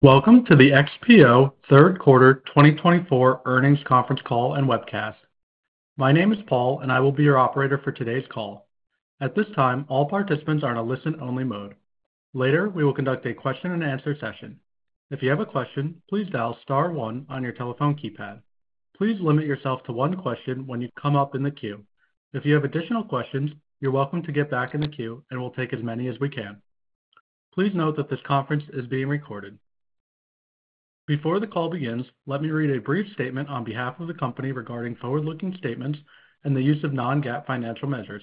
Welcome to the XPO Third Quarter 2024 Earnings Conference call and webcast. My name is Paul, and I will be your operator for today's call. At this time, all participants are in a listen-only mode. Later, we will conduct a question-and-answer session. If you have a question, please dial star one on your telephone keypad. Please limit yourself to one question when you come up in the queue. If you have additional questions, you're welcome to get back in the queue, and we'll take as many as we can. Please note that this conference is being recorded. Before the call begins, let me read a brief statement on behalf of the company regarding forward-looking statements and the use of non-GAAP financial measures.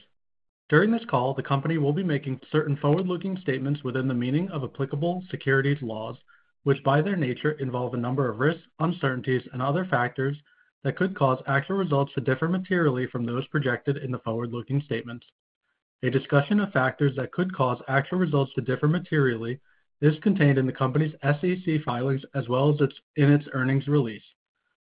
During this call, the company will be making certain forward-looking statements within the meaning of applicable securities laws, which by their nature involve a number of risks, uncertainties, and other factors that could cause actual results to differ materially from those projected in the forward-looking statements. A discussion of factors that could cause actual results to differ materially is contained in the company's SEC filings as well as in its earnings release.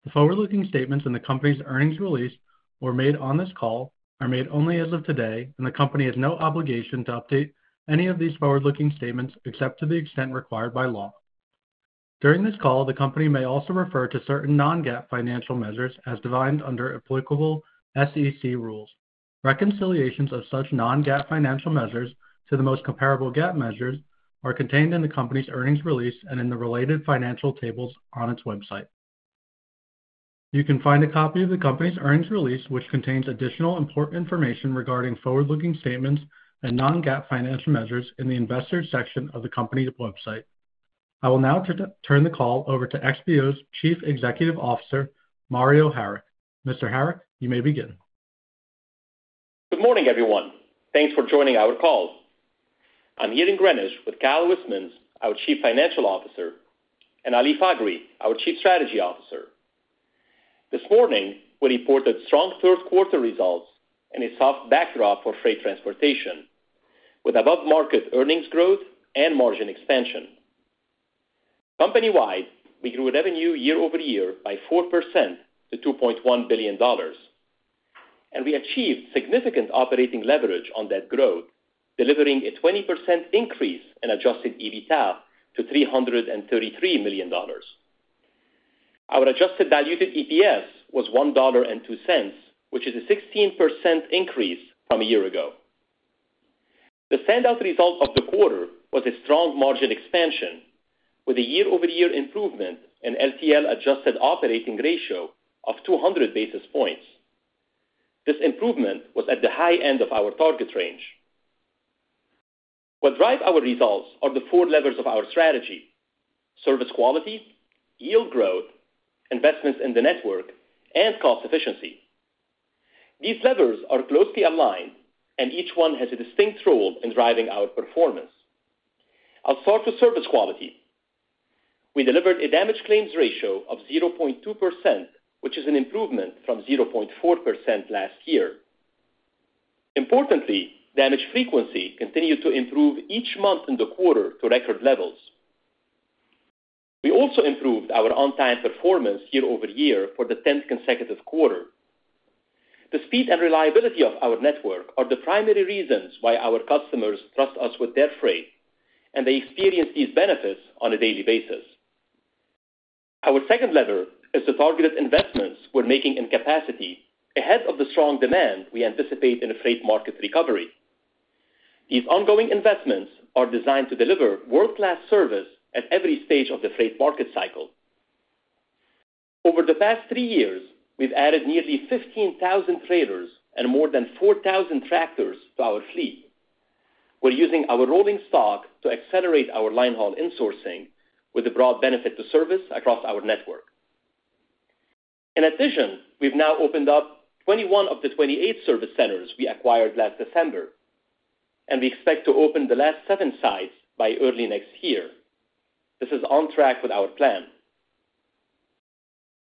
The forward-looking statements in the company's earnings release were made on this call, are made only as of today, and the company has no obligation to update any of these forward-looking statements except to the extent required by law. During this call, the company may also refer to certain non-GAAP financial measures as defined under applicable SEC rules. Reconciliations of such non-GAAP financial measures to the most comparable GAAP measures are contained in the company's earnings release and in the related financial tables on its website. You can find a copy of the company's earnings release, which contains additional important information regarding forward-looking statements and non-GAAP financial measures in the investors' section of the company's website. I will now turn the call over to XPO's Chief Executive Officer, Mario Harik. Mr. Harik, you may begin. Good morning, everyone. Thanks for joining our call. I'm here in Greenwich with Kyle Wismans, our Chief Financial Officer, and Ali Faghri, our Chief Strategy Officer. This morning, we reported strong third-quarter results and a soft backdrop for freight transportation, with above-market earnings growth and margin expansion. Company-wide, we grew revenue year over year by 4% to $2.1 billion, and we achieved significant operating leverage on that growth, delivering a 20% increase in adjusted EBITDA to $333 million. Our adjusted diluted EPS was $1.02, which is a 16% increase from a year ago. The standout result of the quarter was a strong margin expansion, with a year-over-year improvement in LTL adjusted operating ratio of 200 basis points. This improvement was at the high end of our target range. What drive our results are the four levers of our strategy: service quality, yield growth, investments in the network, and cost efficiency. These levers are closely aligned, and each one has a distinct role in driving our performance. I'll start with service quality. We delivered non-RESnon-RESnon-RESnon-RESa damage claims ratio of 0.2%, which is an improvement from 0.4% last year. Importantly, damage frequency continued to improve each month in the quarter to record levels. We also improved our on-time performance year over year for the 10th consecutive quarter. The speed and reliability of our network are the primary reasons why our customers trust us with their freight, and they experience these benefits on a daily basis. Our second lever is the targeted investments we're making in capacity ahead of the strong demand we anticipate in the freight market recovery. These ongoing investments are designed to deliver world-class service at every stage of the freight market cycle. Over the past three years, we've added nearly 15,000 trailers and more than 4,000 tractors to our fleet. We're using our rolling stock to accelerate our linehaul insourcing, with a broad benefit to service across our network. In addition, we've now opened up 21 of the 28 service centers we acquired last December, and we expect to open the last seven sites by early next year. This is on track with our plan.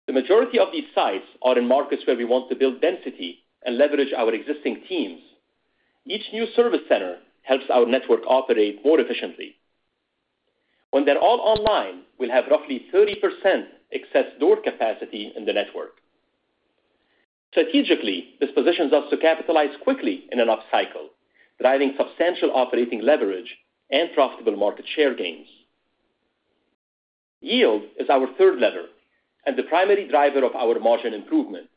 The majority of these sites are in markets where we want to build density and leverage our existing teams. Each new service center helps our network operate more efficiently. When they're all online, we'll have roughly 30% excess door capacity in the network. Strategically, this positions us to capitalize quickly in an upcycle, driving substantial operating leverage and profitable market share gains. Yield is our third lever and the primary driver of our margin improvement.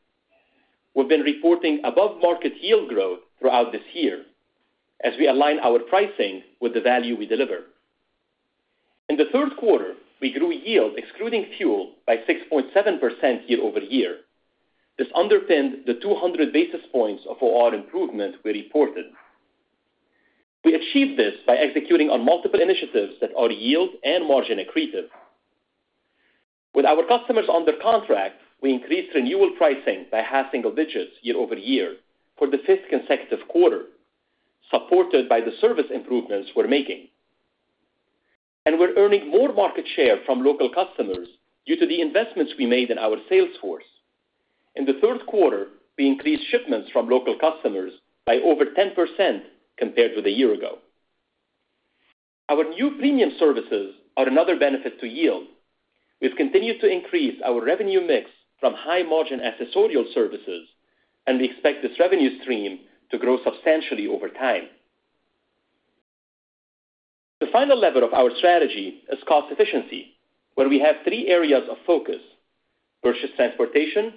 We've been reporting above-market yield growth throughout this year as we align our pricing with the value we deliver. In the third quarter, we grew yield excluding fuel by 6.7% year over year. This underpinned the 200 basis points of OR improvement we reported. We achieved this by executing on multiple initiatives that are yield and margin accretive. With our customers under contract, we increased renewal pricing by half single digits year over year for the fifth consecutive quarter, supported by the service improvements we're making, and we're earning more market share from local customers due to the investments we made in our sales force. In the third quarter, we increased shipments from local customers by over 10% compared with a year ago. Our new premium services are another benefit to yield. We've continued to increase our revenue mix from high-margin accessorial services, and we expect this revenue stream to grow substantially over time. The final lever of our strategy is cost efficiency, where we have three areas of focus: purchase transportation,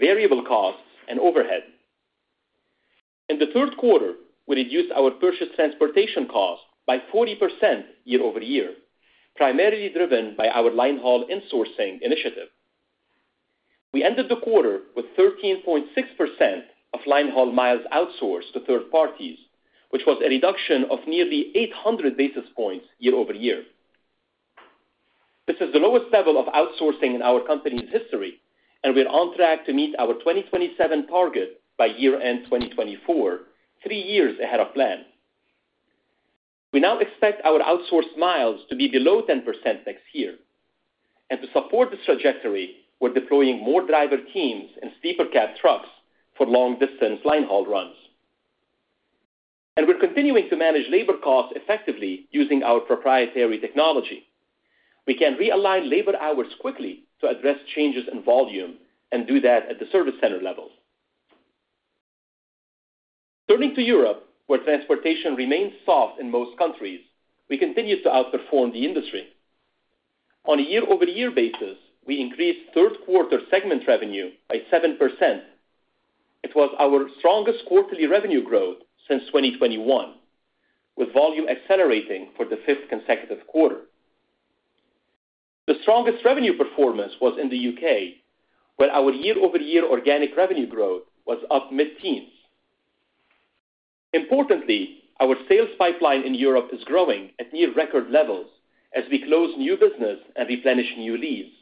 variable costs, and overhead. In the third quarter, we reduced our purchase transportation cost by 40% year over year, primarily driven by our linehaul insourcing initiative. We ended the quarter with 13.6% of linehaul miles outsourced to third parties, which was a reduction of nearly 800 basis points year over year. This is the lowest level of outsourcing in our company's history, and we're on track to meet our 2027 target by year-end 2024, three years ahead of plan. We now expect our outsourced miles to be below 10% next year. And to support this trajectory, we're deploying more driver teams and sleeper cab trucks for long-distance linehaul runs. We're continuing to manage labor costs effectively using our proprietary technology. We can realign labor hours quickly to address changes in volume and do that at the service center level. Turning to Europe, where transportation remains soft in most countries, we continue to outperform the industry. On a year-over-year basis, we increased third-quarter segment revenue by 7%. It was our strongest quarterly revenue growth since 2021, with volume accelerating for the fifth consecutive quarter. The strongest revenue performance was in the U.K., where our year-over-year organic revenue growth was up mid-teens. Importantly, our sales pipeline in Europe is growing at near record levels as we close new business and replenish new leads.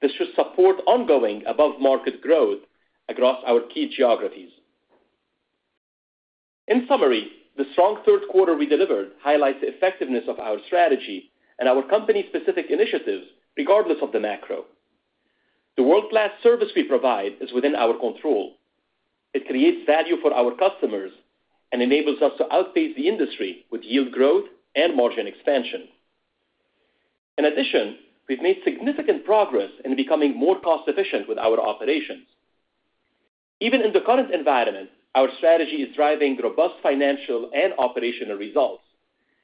This should support ongoing above-market growth across our key geographies. In summary, the strong third quarter we delivered highlights the effectiveness of our strategy and our company-specific initiatives, regardless of the macro. The world-class service we provide is within our control. It creates value for our customers and enables us to outpace the industry with yield growth and margin expansion. In addition, we've made significant progress in becoming more cost-efficient with our operations. Even in the current environment, our strategy is driving robust financial and operational results,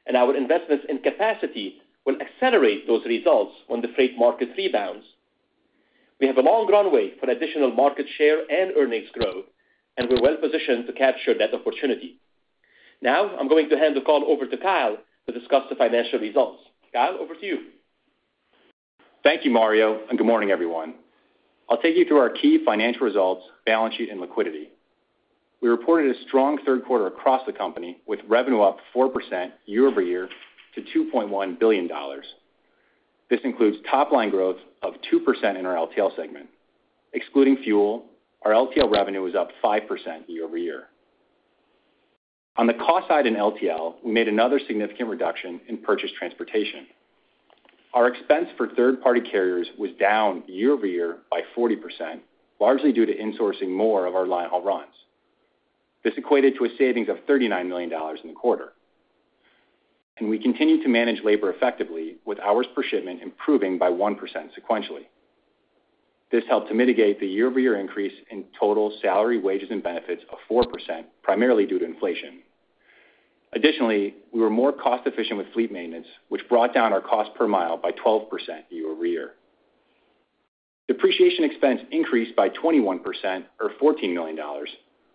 and our investments in capacity will accelerate those results when the freight market rebounds. We have a long runway for additional market share and earnings growth, and we're well-positioned to capture that opportunity. Now, I'm going to hand the call over to Kyle to discuss the financial results. Kyle, over to you. Thank you, Mario, and good morning, everyone. I'll take you through our key financial results, balance sheet, and liquidity. We reported a strong third quarter across the company, with revenue up 4% year over year to $2.1 billion. This includes top-line growth of 2% in our LTL segment. Excluding fuel, our LTL revenue is up 5% year over year. On the cost side in LTL, we made another significant reduction in purchased transportation. Our expense for third-party carriers was down year over year by 40%, largely due to insourcing more of our linehaul runs. This equated to a savings of $39 million in the quarter. And we continue to manage labor effectively, with hours per shipment improving by 1% sequentially. This helped to mitigate the year-over-year increase in total salary, wages, and benefits of 4%, primarily due to inflation. Additionally, we were more cost-efficient with fleet maintenance, which brought down our cost per mile by 12% year over year. Depreciation expense increased by 21%, or $14 million,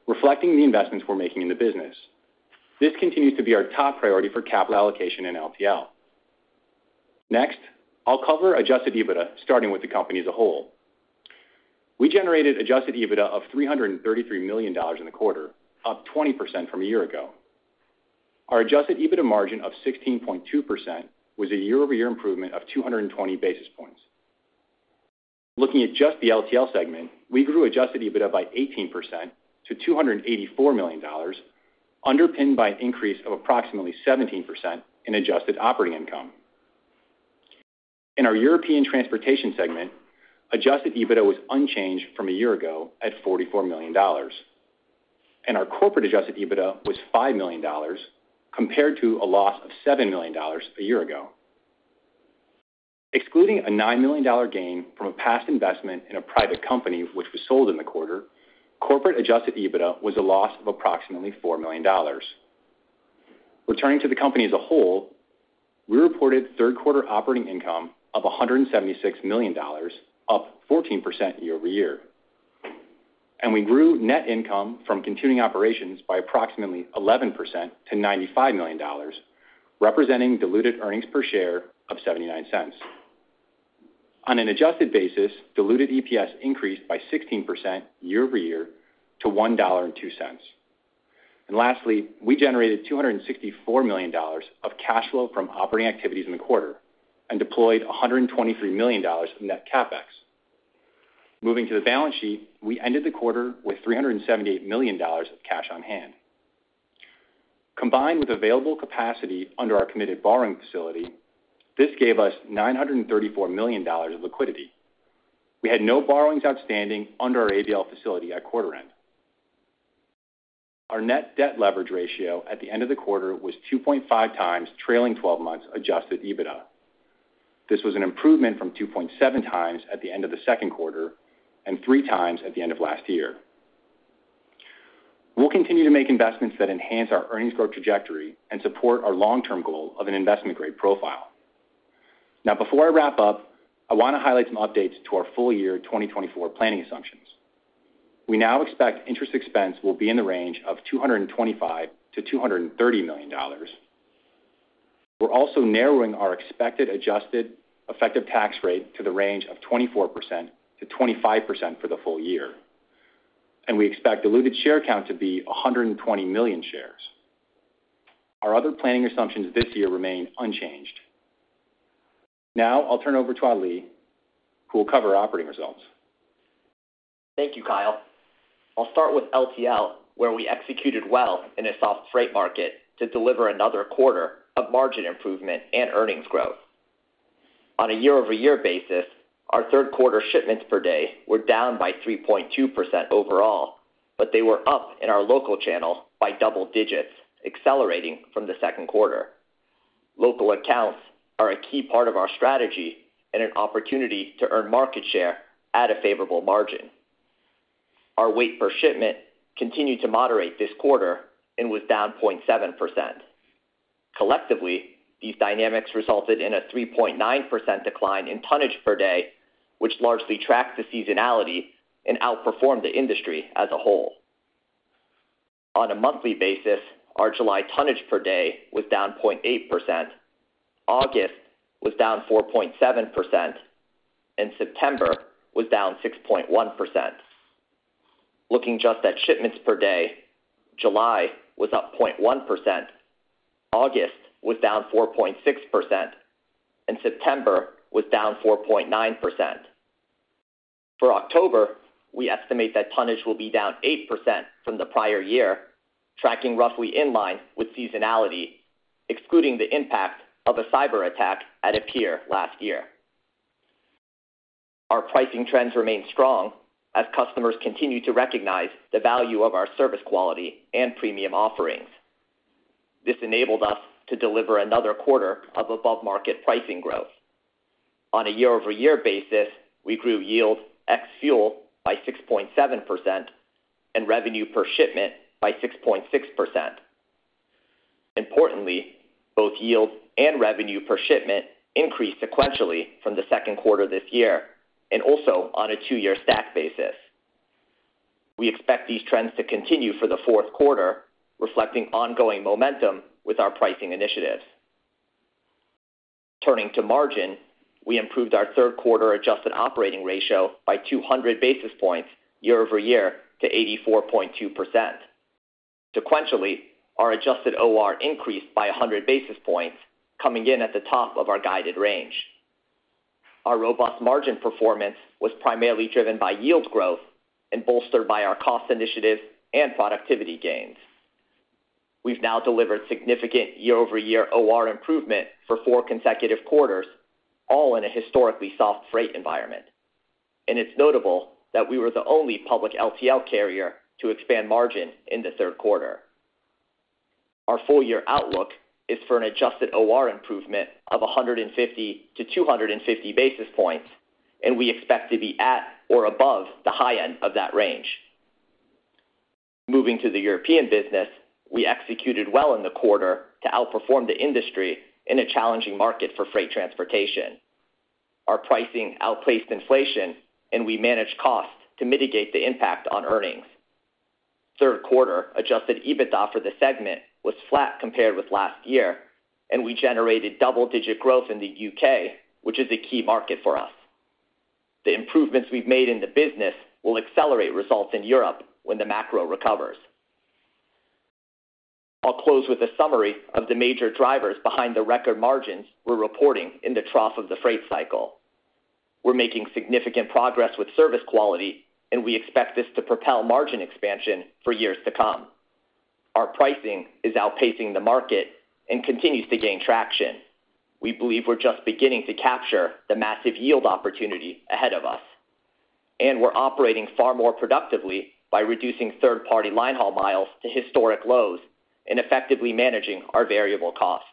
reflecting the investments we're making in the business. This continues to be our top priority for capital allocation in LTL. Next, I'll cover adjusted EBITDA, starting with the company as a whole. We generated adjusted EBITDA of $333 million in the quarter, up 20% from a year ago. Our adjusted EBITDA margin of 16.2% was a year-over-year improvement of 220 basis points. Looking at just the LTL segment, we grew adjusted EBITDA by 18% to $284 million, underpinned by an increase of approximately 17% in adjusted operating income. In our European transportation segment, adjusted EBITDA was unchanged from a year ago at $44 million, and our corporate adjusted EBITDA was $5 million, compared to a loss of $7 million a year ago. Excluding a $9 million gain from a past investment in a private company, which was sold in the quarter, corporate Adjusted EBITDA was a loss of approximately $4 million. Returning to the company as a whole, we reported third-quarter operating income of $176 million, up 14% year over year. We grew net income from continuing operations by approximately 11% to $95 million, representing diluted earnings per share of $0.79. On an adjusted basis, diluted EPS increased by 16% year over year to $1.02. Lastly, we generated $264 million of cash flow from operating activities in the quarter and deployed $123 million of net CapEx. Moving to the balance sheet, we ended the quarter with $378 million of cash on hand. Combined with available capacity under our committed borrowing facility, this gave us $934 million of liquidity. We had no borrowings outstanding under our ABL facility at quarter end. Our net debt leverage ratio at the end of the quarter was 2.5 times trailing 12 months adjusted EBITDA. This was an improvement from 2.7 times at the end of the second quarter and 3 times at the end of last year. We'll continue to make investments that enhance our earnings growth trajectory and support our long-term goal of an investment-grade profile. Now, before I wrap up, I want to highlight some updates to our full-year 2024 planning assumptions. We now expect interest expense will be in the range of $225-$230 million. We're also narrowing our expected adjusted effective tax rate to the range of 24%-25% for the full year. And we expect diluted share count to be 120 million shares. Our other planning assumptions this year remain unchanged. Now, I'll turn over to Ali, who will cover operating results. Thank you, Kyle. I'll start with LTL, where we executed well in a soft freight market to deliver another quarter of margin improvement and earnings growth. On a year-over-year basis, our third-quarter shipments per day were down by 3.2% overall, but they were up in our local channel by double digits, accelerating from the second quarter. Local accounts are a key part of our strategy and an opportunity to earn market share at a favorable margin. Our weight per shipment continued to moderate this quarter and was down 0.7%. Collectively, these dynamics resulted in a 3.9% decline in tonnage per day, which largely tracked the seasonality and outperformed the industry as a whole. On a monthly basis, our July tonnage per day was down 0.8%, August was down 4.7%, and September was down 6.1%. Looking just at shipments per day, July was up 0.1%, August was down 4.6%, and September was down 4.9%. For October, we estimate that tonnage will be down 8% from the prior year, tracking roughly in line with seasonality, excluding the impact of a cyber attack at a peer last year. Our pricing trends remain strong as customers continue to recognize the value of our service quality and premium offerings. This enabled us to deliver another quarter of above-market pricing growth. On a year-over-year basis, we grew yield ex-fuel by 6.7% and revenue per shipment by 6.6%. Importantly, both yield and revenue per shipment increased sequentially from the second quarter this year and also on a two-year stack basis. We expect these trends to continue for the fourth quarter, reflecting ongoing momentum with our pricing initiatives. Turning to margin, we improved our third-quarter adjusted operating ratio by 200 basis points year over year to 84.2%. Sequentially, our adjusted OR increased by 100 basis points, coming in at the top of our guided range. Our robust margin performance was primarily driven by yield growth and bolstered by our cost initiatives and productivity gains. We've now delivered significant year-over-year OR improvement for four consecutive quarters, all in a historically soft freight environment, and it's notable that we were the only public LTL carrier to expand margin in the third quarter. Our full-year outlook is for an adjusted OR improvement of 150 to 250 basis points, and we expect to be at or above the high end of that range. Moving to the European business, we executed well in the quarter to outperform the industry in a challenging market for freight transportation. Our pricing outpaced inflation, and we managed cost to mitigate the impact on earnings. Third-quarter Adjusted EBITDA for the segment was flat compared with last year, and we generated double-digit growth in the U.K., which is a key market for us. The improvements we've made in the business will accelerate results in Europe when the macro recovers. I'll close with a summary of the major drivers behind the record margins we're reporting in the trough of the freight cycle. We're making significant progress with service quality, and we expect this to propel margin expansion for years to come. Our pricing is outpacing the market and continues to gain traction. We believe we're just beginning to capture the massive yield opportunity ahead of us. And we're operating far more productively by reducing third-party linehaul miles to historic lows and effectively managing our variable costs.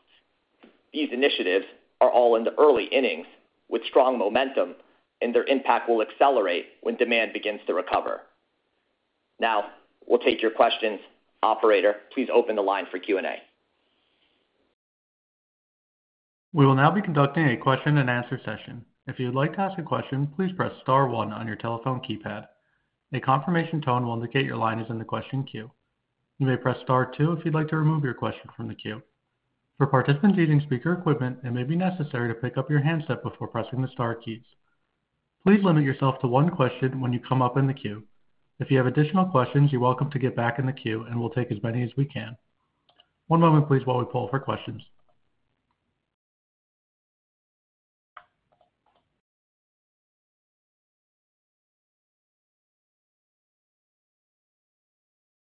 These initiatives are all in the early innings with strong momentum, and their impact will accelerate when demand begins to recover. Now, we'll take your questions. Operator, please open the line for Q&A. We will now be conducting a question-and-answer session. If you'd like to ask a question, please press Star 1 on your telephone keypad. A confirmation tone will indicate your line is in the question queue. You may press Star 2 if you'd like to remove your question from the queue. For participants using speaker equipment, it may be necessary to pick up your handset before pressing the Star keys. Please limit yourself to one question when you come up in the queue. If you have additional questions, you're welcome to get back in the queue, and we'll take as many as we can. One moment, please, while we pull for questions.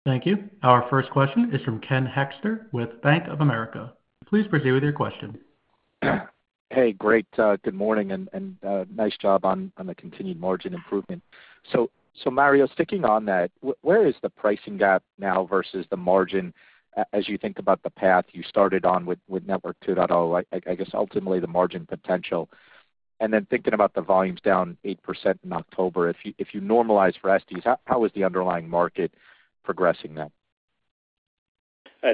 Thank you. Our first question is from Ken Hoexter with Bank of America. Please proceed with your question. Hey, great. Good morning and nice job on the continued margin improvement. So, Mario, sticking on that, where is the pricing gap now versus the margin as you think about the path you started on with Network 2.0? I guess ultimately the margin potential. And then thinking about the volumes down 8% in October, if you normalize for Estes, how is the underlying market progressing now?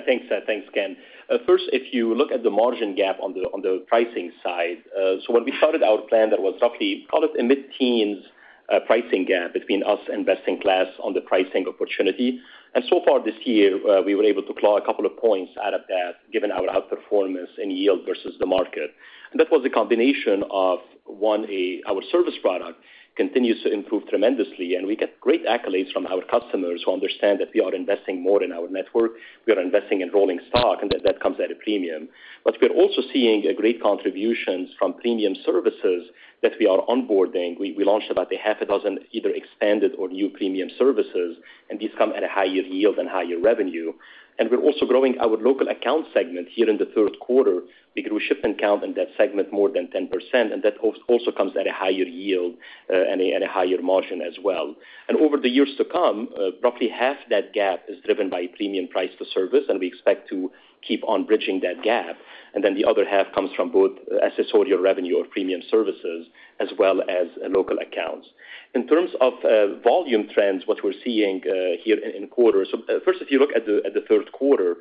Thanks, Ken. First, if you look at the margin gap on the pricing side, so when we started our plan, there was roughly, call it a mid-teens pricing gap between us and best-in-class on the pricing opportunity, and so far this year, we were able to claw a couple of points out of that given our outperformance in yield versus the market, and that was a combination of, one, our service product continues to improve tremendously, and we get great accolades from our customers who understand that we are investing more in our network. We are investing in rolling stock, and that comes at a premium, but we are also seeing a great contribution from premium services that we are onboarding. We launched about a half a dozen either expanded or new premium services, and these come at a higher yield and higher revenue. We're also growing our local account segment here in the third quarter because we shipped and count in that segment more than 10%, and that also comes at a higher yield and a higher margin as well. And over the years to come, roughly half that gap is driven by premium price to service, and we expect to keep on bridging that gap. And then the other half comes from both accessorial revenue or premium services as well as local accounts. In terms of volume trends, what we're seeing here in quarters, so first, if you look at the third quarter,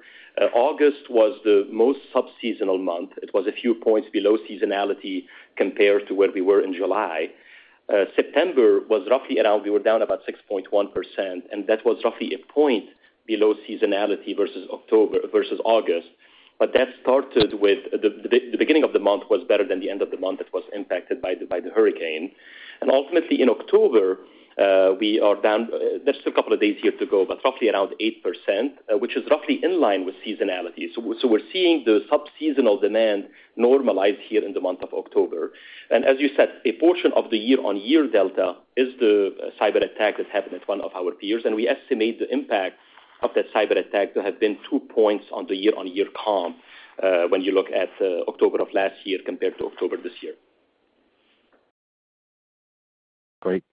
August was the most subseasonal month. It was a few points below seasonality compared to where we were in July. September was roughly around, we were down about 6.1%, and that was roughly a point below seasonality versus August. But that started with the beginning of the month was better than the end of the month that was impacted by the hurricane. And ultimately, in October, we are down. There's still a couple of days here to go, but roughly around 8%, which is roughly in line with seasonality. So we're seeing the subseasonal demand normalize here in the month of October. And as you said, a portion of the year-on-year delta is the cyber attack that happened at one of our peers, and we estimate the impact of that cyber attack to have been two points on the year-on-year comp when you look at October of last year compared to October this year. Great.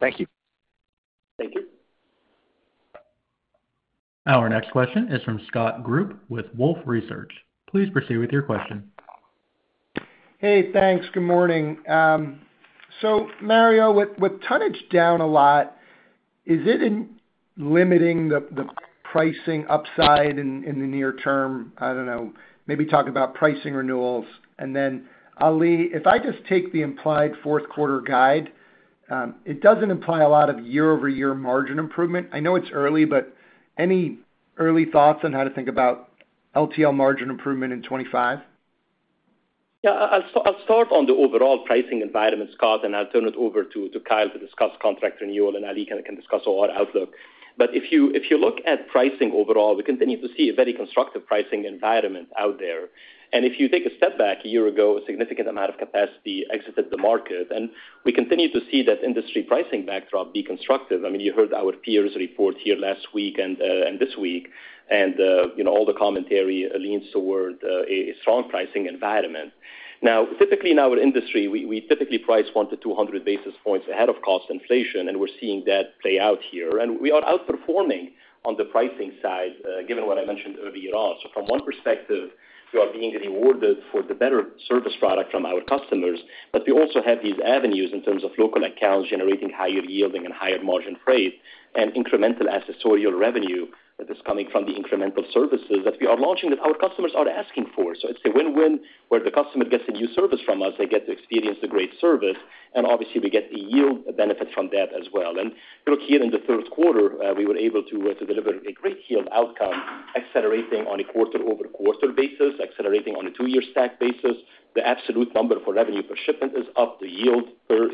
Thank you. Thank you. Our next question is from Scott Group with Wolfe Research. Please proceed with your question. Hey, thanks. Good morning. So, Mario, with tonnage down a lot, is it limiting the pricing upside in the near term? I don't know. Maybe talk about pricing renewals. And then, Ali, if I just take the implied fourth-quarter guide, it doesn't imply a lot of year-over-year margin improvement. I know it's early, but any early thoughts on how to think about LTL margin improvement in 2025? Yeah. I'll start on the overall pricing environment, Scott, and I'll turn it over to Kyle to discuss contract renewal, and Ali can discuss our outlook, but if you look at pricing overall, we continue to see a very constructive pricing environment out there, and if you take a step back a year ago, a significant amount of capacity exited the market, and we continue to see that industry pricing backdrop be constructive. I mean, you heard our peers report here last week and this week, and all the commentary leans toward a strong pricing environment. Now, typically in our industry, we typically price 1 to 200 basis points ahead of cost inflation, and we're seeing that play out here, and we are outperforming on the pricing side given what I mentioned earlier on. So from one perspective, we are being rewarded for the better service product from our customers, but we also have these avenues in terms of local accounts generating higher yielding and higher margin freight and incremental accessorial revenue that is coming from the incremental services that we are launching that our customers are asking for. So it's a win-win where the customer gets a new service from us, they get to experience the great service, and obviously, we get the yield benefit from that as well. And look, here in the third quarter, we were able to deliver a great yield outcome, accelerating on a quarter-over-quarter basis, accelerating on a two-year stack basis. The absolute number for revenue per shipment is up. The yield per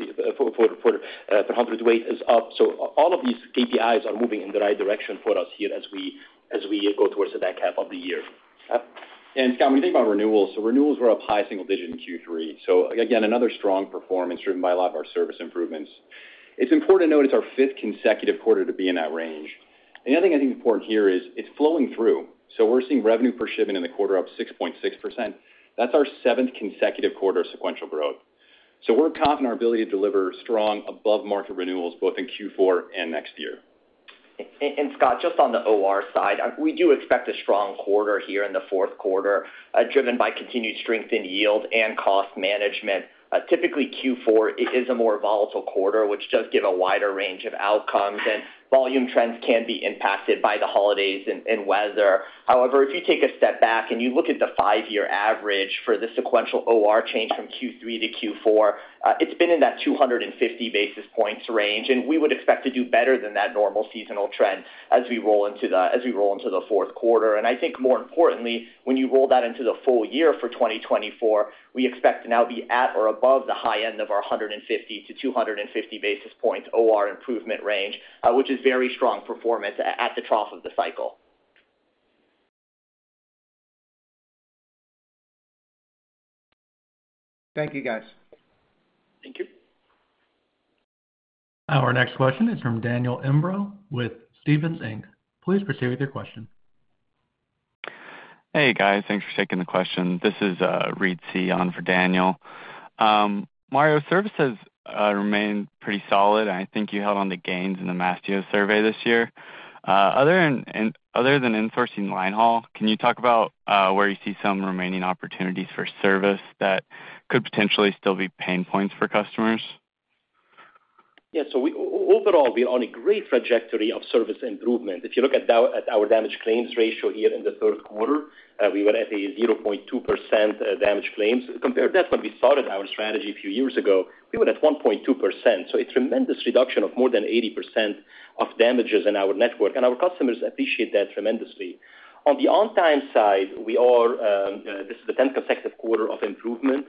hundredweight is up. So all of these KPIs are moving in the right direction for us here as we go towards the back half of the year. And Scott, when you think about renewals, so renewals were up high single-digit in Q3. So again, another strong performance driven by a lot of our service improvements. It's important to note it's our fifth consecutive quarter to be in that range. And the other thing I think is important here is it's flowing through. So we're seeing revenue per shipment in the quarter up 6.6%. That's our seventh consecutive quarter of sequential growth. So we're confident in our ability to deliver strong above-market renewals both in Q4 and next year. And Scott, just on the OR side, we do expect a strong quarter here in the fourth quarter driven by continued strength in yield and cost management. Typically, Q4 is a more volatile quarter, which does give a wider range of outcomes, and volume trends can be impacted by the holidays and weather. However, if you take a step back and you look at the five-year average for the sequential OR change from Q3 to Q4, it's been in that 250 basis points range, and we would expect to do better than that normal seasonal trend as we roll into the fourth quarter, and I think more importantly, when you roll that into the full year for 2024, we expect to now be at or above the high end of our 150 to 250 basis points OR improvement range, which is very strong performance at the trough of the cycle. Thank you, guys. Thank you. Our next question is from Daniel Imbro with Stephens Inc. Please proceed with your question. Hey, guys. Thanks for taking the question. This is Reid Sehon for Daniel. Mario, service has remained pretty solid, and I think you held on to gains in the Mastio survey this year. Other than insourcing linehaul, can you talk about where you see some remaining opportunities for service that could potentially still be pain points for customers? Yeah. So overall, we are on a great trajectory of service improvement. If you look at our damage claims ratio here in the third quarter, we were at a 0.2% damage claims. Compared to that when we started our strategy a few years ago, we were at 1.2%. So a tremendous reduction of more than 80% of damages in our network, and our customers appreciate that tremendously. On the on-time side, this is the tenth consecutive quarter of improvement.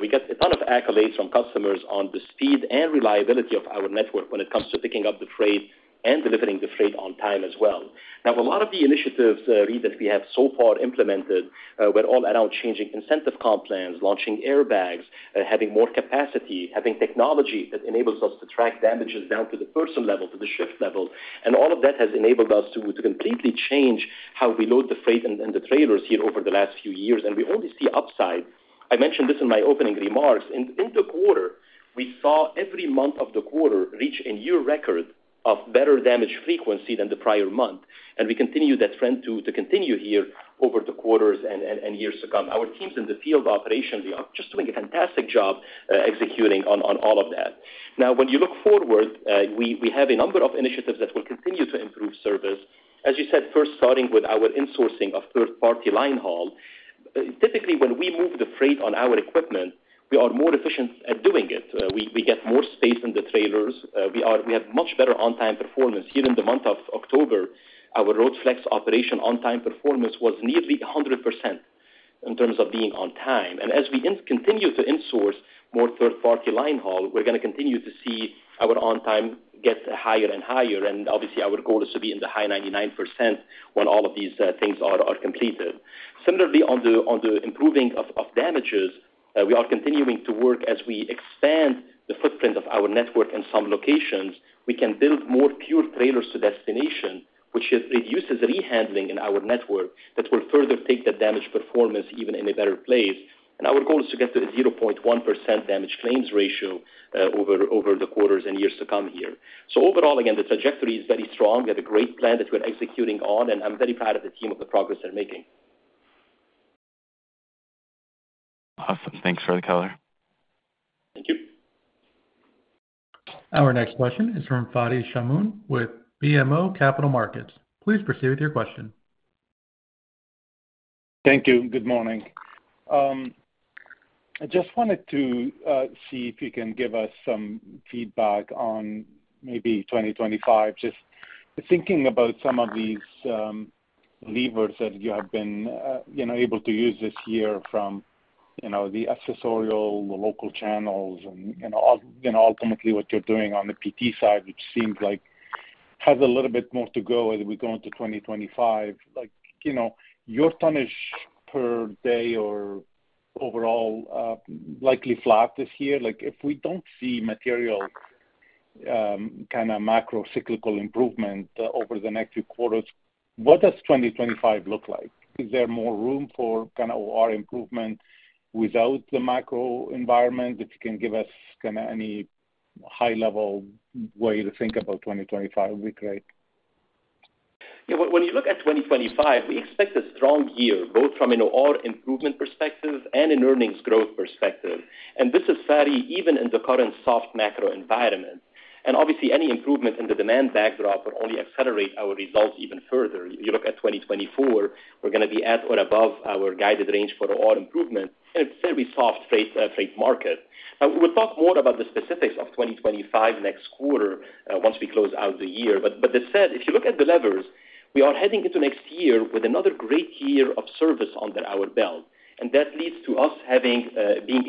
We get a ton of accolades from customers on the speed and reliability of our network when it comes to picking up the freight and delivering the freight on time as well. Now, a lot of the initiatives, Reed, that we have so far implemented, we're all around changing incentive comp plans, launching airbags, having more capacity, having technology that enables us to track damages down to the person level, to the shift level. And all of that has enabled us to completely change how we load the freight and the trailers here over the last few years, and we only see upside. I mentioned this in my opening remarks. In the quarter, we saw every month of the quarter reach a new record of better damage frequency than the prior month, and we continue that trend to continue here over the quarters and years to come. Our teams in the field operation, we are just doing a fantastic job executing on all of that. Now, when you look forward, we have a number of initiatives that will continue to improve service. As you said, first starting with our insourcing of third-party linehaul. Typically, when we move the freight on our equipment, we are more efficient at doing it. We get more space in the trailers. We have much better on-time performance. Here in the month of October, our Road Flex operation on-time performance was nearly 100% in terms of being on time. And as we continue to insource more third-party linehaul, we're going to continue to see our on-time get higher and higher, and obviously, our goal is to be in the high 99% when all of these things are completed. Similarly, on the improving of damages, we are continuing to work as we expand the footprint of our network in some locations. We can build more pure trailers to destination, which reduces re-handling in our network that will further take that damage performance even in a better place. Our goal is to get to a 0.1% damage claims ratio over the quarters and years to come here. Overall, again, the trajectory is very strong. We have a great plan that we're executing on, and I'm very proud of the team of the progress they're making. Awesome. Thanks for the color. Thank you. Our next question is from Fadi Chamoun with BMO Capital Markets. Please proceed with your question. Thank you. Good morning. I just wanted to see if you can give us some feedback on maybe 2025, just thinking about some of these levers that you have been able to use this year from the accessorial, the local channels, and ultimately what you're doing on the PT side, which seems like has a little bit more to go as we go into 2025. Your tonnage per day or overall likely flat this year. If we don't see material kind of macrocyclical improvement over the next few quarters, what does 2025 look like? Is there more room for kind of OR improvement without the macro environment? If you can give us kind of any high-level way to think about 2025, it would be great. Yeah. When you look at 2025, we expect a strong year, both from an OR improvement perspective and an earnings growth perspective. And this is fairly even in the current soft macro environment. And obviously, any improvement in the demand backdrop will only accelerate our results even further. If you look at 2024, we're going to be at or above our guided range for OR improvement, and it's a very soft freight market. Now, we'll talk more about the specifics of 2025 next quarter once we close out the year. But that said, if you look at the levers, we are heading into next year with another great year of service under our belt, and that leads to us being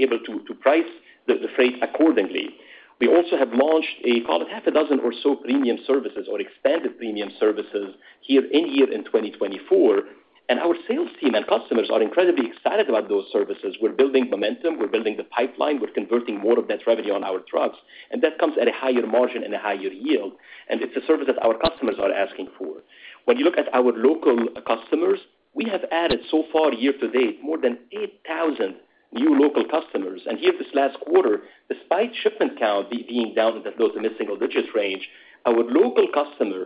able to price the freight accordingly. We also have launched a, call it, half a dozen or so premium services or expanded premium services here in year in 2024, and our sales team and customers are incredibly excited about those services. We're building momentum. We're building the pipeline. We're converting more of that revenue on our trucks, and that comes at a higher margin and a higher yield. And it's a service that our customers are asking for. When you look at our local customers, we have added so far year to date more than 8,000 new local customers. And here this last quarter, despite shipment count being down into those mid-single digits range, our local customer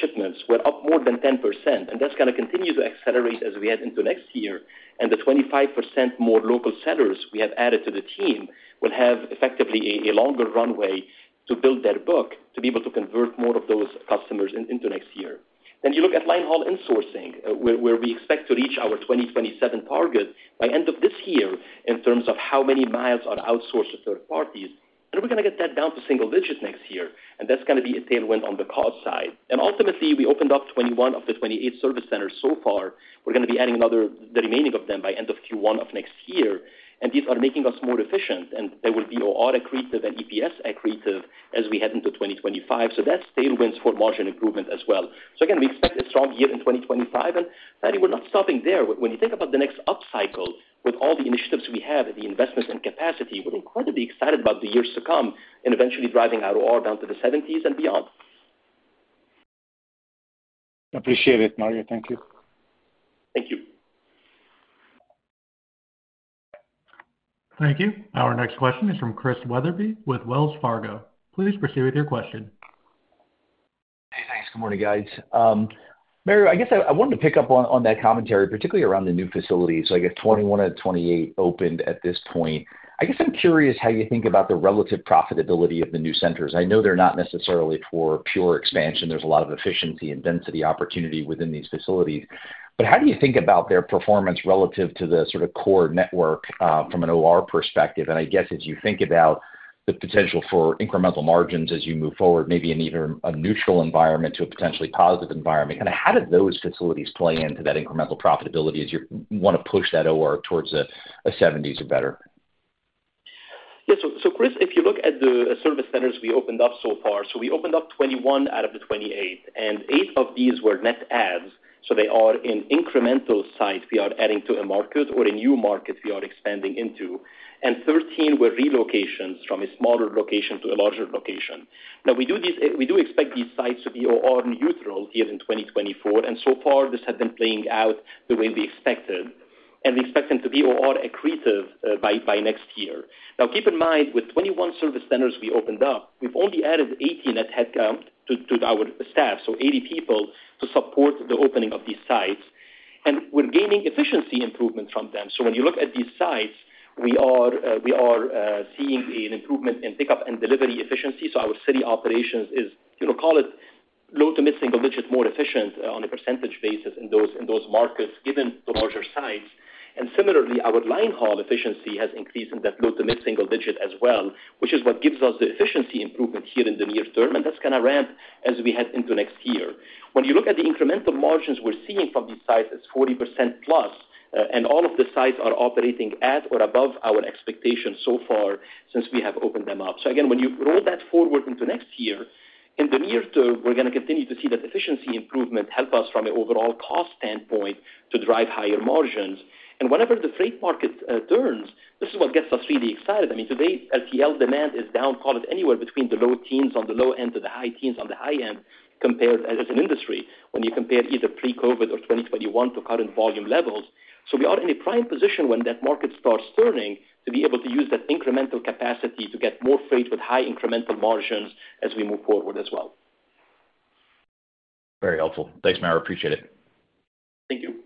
shipments were up more than 10%, and that's going to continue to accelerate as we head into next year. And the 25% more local sellers we have added to the team will have effectively a longer runway to build their book to be able to convert more of those customers into next year. Then you look at linehaul insourcing, where we expect to reach our 2027 target by end of this year in terms of how many miles are outsourced to third parties, and we're going to get that down to single digit next year, and that's going to be a tailwind on the cost side. And ultimately, we opened up 21 of the 28 service centers so far. We're going to be adding the remaining of them by end of Q1 of next year, and these are making us more efficient, and they will be OR accretive and EPS accretive as we head into 2025. So that's tailwinds for margin improvement as well. Again, we expect a strong year in 2025, and Fadi, we're not stopping there. When you think about the next upcycle with all the initiatives we have and the investments and capacity, we're incredibly excited about the years to come and eventually driving our OR down to the 70s and beyond. Appreciate it, Mario. Thank you. Thank you. Thank you. Our next question is from Chris Wetherbee with Wells Fargo. Please proceed with your question. Hey, thanks. Good morning, guys. Mario, I guess I wanted to pick up on that commentary, particularly around the new facilities. So I guess 21 of 28 opened at this point. I guess I'm curious how you think about the relative profitability of the new centers. I know they're not necessarily for pure expansion. There's a lot of efficiency and density opportunity within these facilities. But how do you think about their performance relative to the sort of core network from an OR perspective? And I guess as you think about the potential for incremental margins as you move forward, maybe in even a neutral environment to a potentially positive environment, kind of how do those facilities play into that incremental profitability as you want to push that OR towards a 70s or better? Yeah. So, Chris, if you look at the service centers we opened up so far, so we opened up 21 out of the 28, and 8 of these were net adds. So they are in incremental sites we are adding to a market or a new market we are expanding into, and 13 were relocations from a smaller location to a larger location. Now, we do expect these sites to be OR neutral here in 2024, and so far this has been playing out the way we expected, and we expect them to be OR accretive by next year. Now, keep in mind with 21 service centers we opened up, we've only added 18 at headcount to our staff, so 80 people to support the opening of these sites, and we're gaining efficiency improvement from them. When you look at these sites, we are seeing an improvement in pickup and delivery efficiency. Our city operations is, call it, low to mid-single digit more efficient on a percentage basis in those markets given the larger sites. And similarly, our linehaul efficiency has increased in that low to mid-single digit as well, which is what gives us the efficiency improvement here in the near term, and that's going to ramp as we head into next year. When you look at the incremental margins we're seeing from these sites is 40% plus, and all of the sites are operating at or above our expectations so far since we have opened them up. Again, when you roll that forward into next year, in the near term, we're going to continue to see that efficiency improvement help us from an overall cost standpoint to drive higher margins. Whenever the freight market turns, this is what gets us really excited. I mean, today, LTL demand is down, call it, anywhere between the low teens on the low end to the high teens on the high end compared as an industry when you compare either pre-COVID or 2021 to current volume levels. We are in a prime position when that market starts turning to be able to use that incremental capacity to get more freight with high incremental margins as we move forward as well. Very helpful. Thanks, Mario. Appreciate it. Thank you.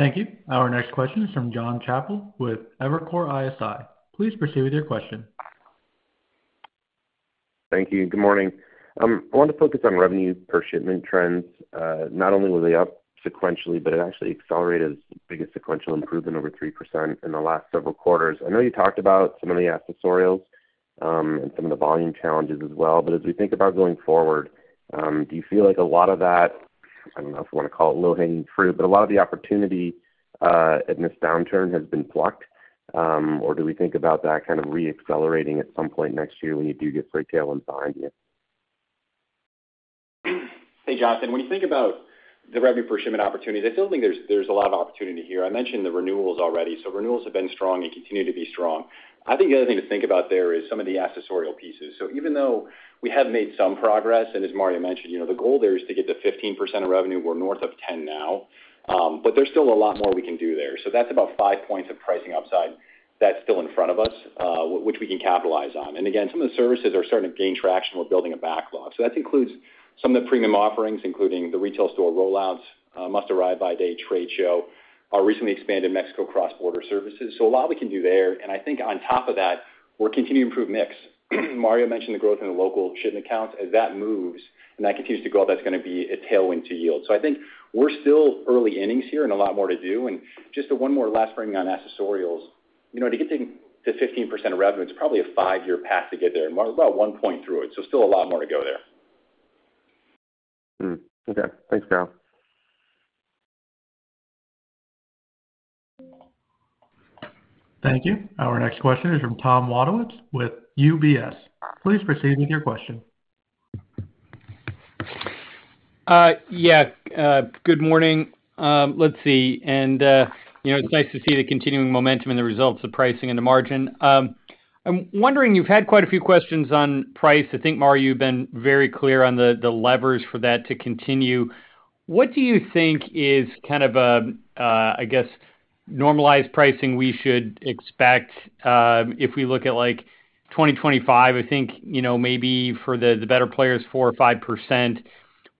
Thank you. Our next question is from Jonathan Chappell with Evercore ISI. Please proceed with your question. Thank you. Good morning. I want to focus on revenue per shipment trends. Not only were they up sequentially, but it actually accelerated as big a sequential improvement over 3% in the last several quarters. I know you talked about some of the accessorials and some of the volume challenges as well, but as we think about going forward, do you feel like a lot of that, I don't know if you want to call it low-hanging fruit, but a lot of the opportunity in this downturn has been plucked, or do we think about that kind of re-accelerating at some point next year when you do get freight tail inside here? Hey, Jonathan. When you think about the revenue per shipment opportunity, I still think there's a lot of opportunity here. I mentioned the renewals already, so renewals have been strong and continue to be strong. I think the other thing to think about there is some of the accessorial services. So even though we have made some progress, and as Mario mentioned, the goal there is to get to 15% of revenue. We're north of 10% now, but there's still a lot more we can do there. So that's about five points of pricing upside that's still in front of us, which we can capitalize on. And again, some of the services are starting to gain traction. We're building a backlog. So that includes some of the premium offerings, including the Retail Store Rollout, Must Arrive By Date trade show, our recently expanded Mexico cross-border services. So, a lot we can do there, and I think on top of that, we're continuing to improve mix. Mario mentioned the growth in the local shipment counts. As that moves and that continues to grow, that's going to be a tailwind to yield. So, I think we're still early innings here and a lot more to do. And just one more last bringing on accessorials. To get to 15% of revenue, it's probably a five-year path to get there. We're about one point through it, so still a lot more to go there. Okay. Thanks, Graham. Thank you. Our next question is from Tom Wadewitz with UBS. Please proceed with your question. Yeah. Good morning. Let's see, and it's nice to see the continuing momentum and the results of pricing and the margin. I'm wondering, you've had quite a few questions on price. I think, Mario, you've been very clear on the levers for that to continue. What do you think is kind of, I guess, normalized pricing we should expect if we look at 2025? I think maybe for the better players, 4% or 5%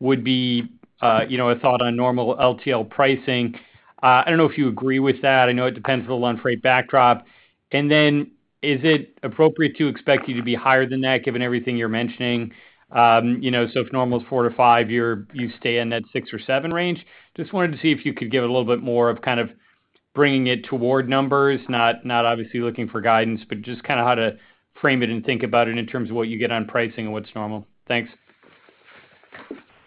would be a thought on normal LTL pricing. I don't know if you agree with that. I know it depends a little on freight backdrop, and then is it appropriate to expect you to be higher than that, given everything you're mentioning, so if normal is 4 to 5, you stay in that 6 or 7 range. Just wanted to see if you could give a little bit more of kind of bringing it toward numbers, not obviously looking for guidance, but just kind of how to frame it and think about it in terms of what you get on pricing and what's normal. Thanks.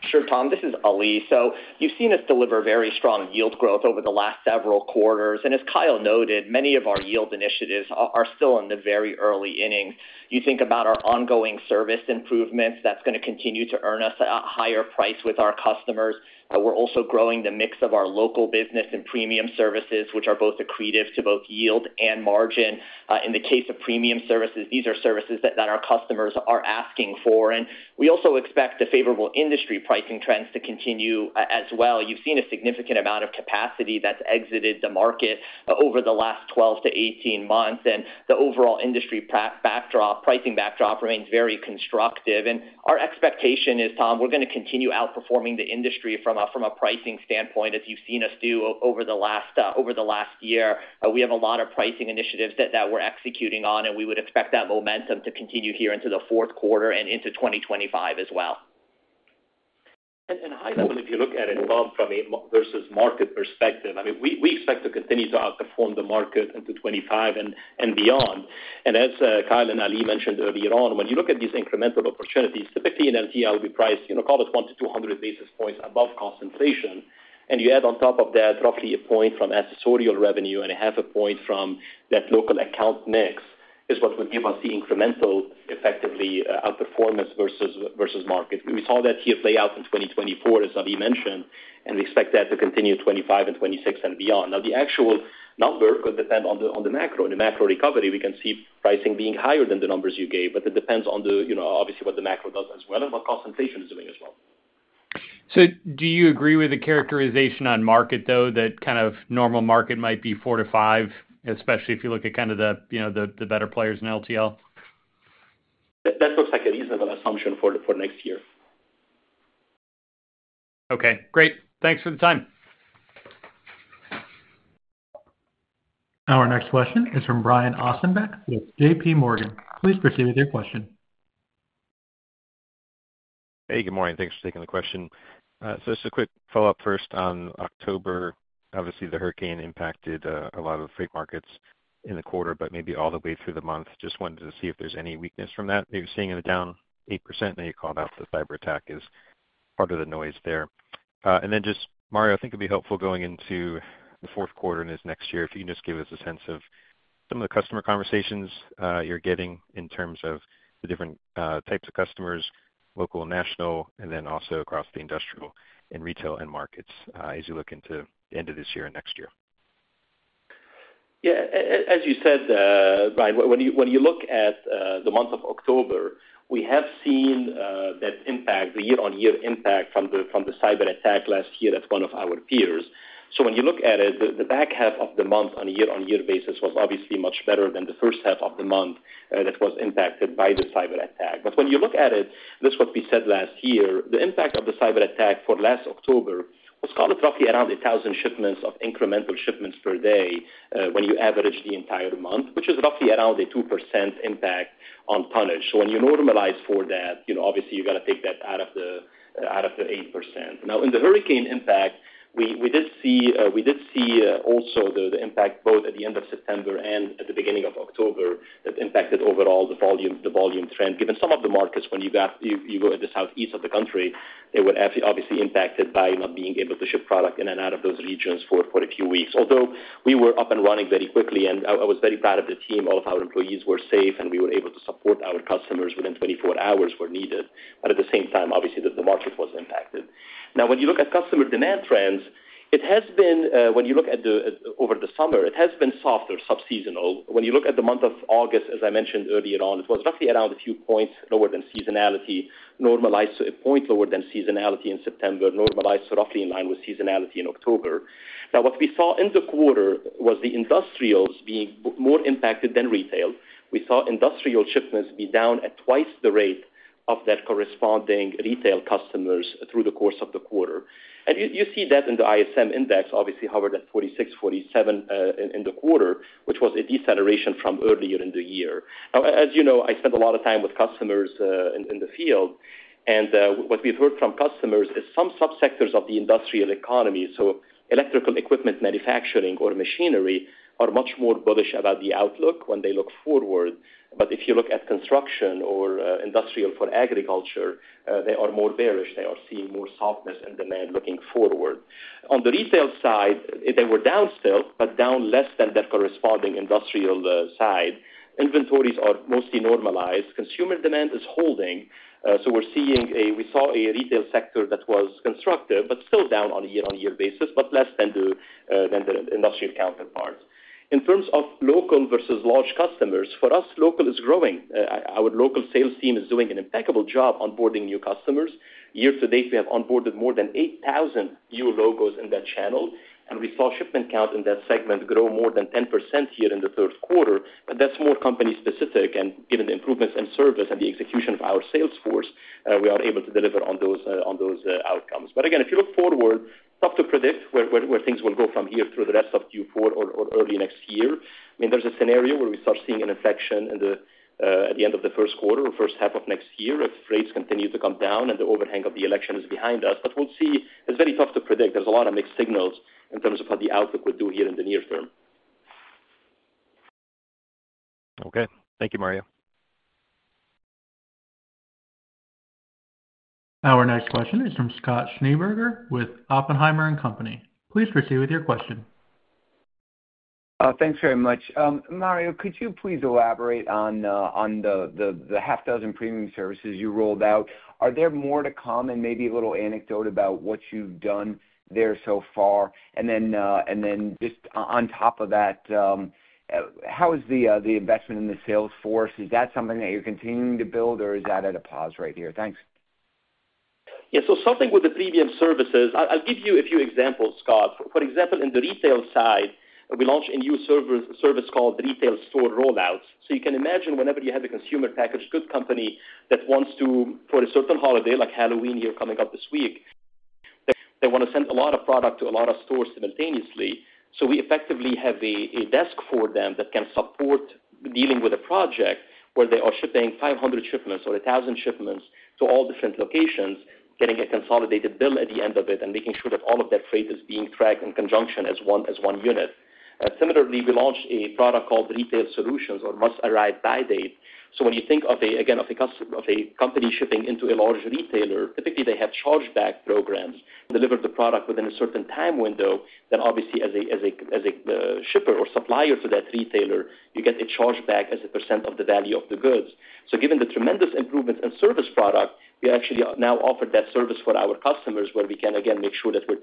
Sure, Tom. This is Ali. So you've seen us deliver very strong yield growth over the last several quarters. And as Kyle noted, many of our yield initiatives are still in the very early innings. You think about our ongoing service improvements. That's going to continue to earn us a higher price with our customers. We're also growing the mix of our local business and premium services, which are both accretive to both yield and margin. In the case of premium services, these are services that our customers are asking for. And we also expect the favorable industry pricing trends to continue as well. You've seen a significant amount of capacity that's exited the market over the last 12-18 months, and the overall industry pricing backdrop remains very constructive. Our expectation is, Tom, we're going to continue outperforming the industry from a pricing standpoint, as you've seen us do over the last year. We have a lot of pricing initiatives that we're executing on, and we would expect that momentum to continue here into the fourth quarter and into 2025 as well. And, high level, if you look at it, Bob, from a versus market perspective, I mean, we expect to continue to outperform the market into 2025 and beyond. And as Kyle and Ali mentioned earlier on, when you look at these incremental opportunities, typically an LTL will be priced, call it, 1 to 200 basis points above cost inflation. And you add on top of that roughly a point from accessorial revenue and a half a point from that local account mix is what would give us the incremental, effectively, outperformance versus market. We saw that here play out in 2024, as Ali mentioned, and we expect that to continue 2025 and 2026 and beyond. Now, the actual number could depend on the macro. In the macro recovery, we can see pricing being higher than the numbers you gave, but it depends on, obviously, what the macro does as well and what cost inflation is doing as well. So do you agree with the characterization on market, though, that kind of normal market might be 4-5, especially if you look at kind of the better players in LTL? That looks like a reasonable assumption for next year. Okay. Great. Thanks for the time. Our next question is from Brian Ossenbeck with JPMorgan. Please proceed with your question. Hey, good morning. Thanks for taking the question. So just a quick follow-up first on October. Obviously, the hurricane impacted a lot of freight markets in the quarter, but maybe all the way through the month. Just wanted to see if there's any weakness from that. You're seeing a down 8%, and then you called out the cyber attack as part of the noise there. And then just, Mario, I think it'd be helpful going into the fourth quarter and into next year, if you can just give us a sense of some of the customer conversations you're getting in terms of the different types of customers, local, national, and then also across the industrial and retail end markets as you look into the end of this year and next year. Yeah. As you said, Brian, when you look at the month of October, we have seen that impact, the year-on-year impact from the cyber attack last year at one of our peers. So when you look at it, the back half of the month on a year-on-year basis was obviously much better than the first half of the month that was impacted by the cyber attack. But when you look at it, this is what we said last year. The impact of the cyber attack for last October was, call it, roughly around 1,000 shipments of incremental shipments per day when you average the entire month, which is roughly around a 2% impact on tonnage. So when you normalize for that, obviously, you've got to take that out of the 8%. Now, in the hurricane impact, we did see also the impact both at the end of September and at the beginning of October that impacted overall the volume trend. Given some of the markets, when you go to the southeast of the country, they were obviously impacted by not being able to ship product in and out of those regions for a few weeks. Although we were up and running very quickly, and I was very proud of the team. All of our employees were safe, and we were able to support our customers within 24 hours where needed. But at the same time, obviously, the market was impacted. Now, when you look at customer demand trends, it has been, when you look over the summer, it has been softer, subseasonal. When you look at the month of August, as I mentioned earlier on, it was roughly around a few points lower than seasonality, normalized to a point lower than seasonality in September, normalized to roughly in line with seasonality in October. Now, what we saw in the quarter was the industrials being more impacted than retail. We saw industrial shipments be down at twice the rate of that corresponding retail customers through the course of the quarter, and you see that in the ISM index, obviously hovered at 46, 47 in the quarter, which was a deceleration from earlier in the year. Now, as you know, I spent a lot of time with customers in the field, and what we've heard from customers is some subsectors of the industrial economy, so electrical equipment manufacturing or machinery, are much more bullish about the outlook when they look forward. But if you look at construction or industrial for agriculture, they are more bearish. They are seeing more softness in demand looking forward. On the retail side, they were down still, but down less than that corresponding industrial side. Inventories are mostly normalized. Consumer demand is holding. So we saw a retail sector that was constructive but still down on a year-on-year basis, but less than the industrial counterpart. In terms of local versus large customers, for us, local is growing. Our local sales team is doing an impeccable job onboarding new customers. Year to date, we have onboarded more than 8,000 new logos in that channel, and we saw shipment count in that segment grow more than 10% here in the third quarter. But that's more company-specific. And given the improvements in service and the execution of our sales force, we are able to deliver on those outcomes. But again, if you look forward, it's tough to predict where things will go from here through the rest of Q4 or early next year. I mean, there's a scenario where we start seeing an inflection at the end of the first quarter or first half of next year if rates continue to come down and the overhang of the election is behind us. But we'll see. It's very tough to predict. There's a lot of mixed signals in terms of what the outlook would do here in the near term. Okay. Thank you, Mario. Our next question is from Scott Schneeberger with Oppenheimer & Company. Please proceed with your question. Thanks very much. Mario, could you please elaborate on the half dozen premium services you rolled out? Are there more to come and maybe a little anecdote about what you've done there so far? And then just on top of that, how is the investment in the sales force? Is that something that you're continuing to build, or is that at a pause right here? Thanks. Yeah. So starting with the premium services, I'll give you a few examples, Scott. For example, in the retail side, we launched a new service called Retail Store Rollout. So you can imagine whenever you have a consumer packaged goods company that wants to, for a certain holiday like Halloween here coming up this week, they want to send a lot of product to a lot of stores simultaneously. So we effectively have a desk for them that can support dealing with a project where they are shipping 500 shipments or 1,000 shipments to all different locations, getting a consolidated bill at the end of it and making sure that all of that freight is being tracked in conjunction as one unit. Similarly, we launched a product called Retail Solutions or Must Arrive By Date. So when you think of, again, of a company shipping into a large retailer, typically they have chargeback programs. Deliver the product within a certain time window. Then obviously, as a shipper or supplier to that retailer, you get a chargeback as a percent of the value of the goods. So given the tremendous improvements in service product, we actually now offer that service for our customers where we can, again, make sure that we're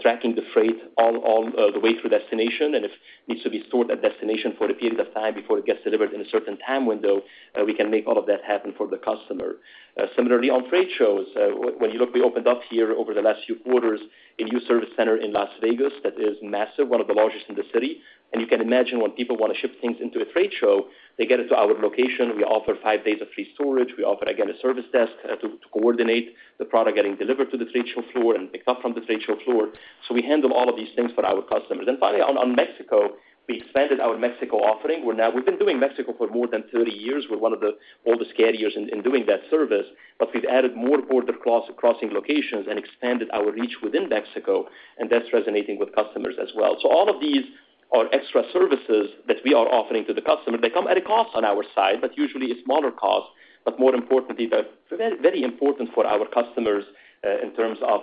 tracking the freight all the way through destination. And if it needs to be stored at destination for a period of time before it gets delivered in a certain time window, we can make all of that happen for the customer. Similarly, on trade shows, when you look, we opened up here over the last few quarters a new service center in Las Vegas that is massive, one of the largest in the city. And you can imagine when people want to ship things into a trade show, they get it to our location. We offer five days of free storage. We offer, again, a service desk to coordinate the product getting delivered to the trade show floor and picked up from the trade show floor. So we handle all of these things for our customers. And finally, on Mexico, we expanded our Mexico offering. We've been doing Mexico for more than 30 years. We're one of the oldest carriers in doing that service. But we've added more border crossing locations and expanded our reach within Mexico, and that's resonating with customers as well. So all of these are extra services that we are offering to the customer. They come at a cost on our side, but usually a smaller cost. But more importantly, they're very important for our customers in terms of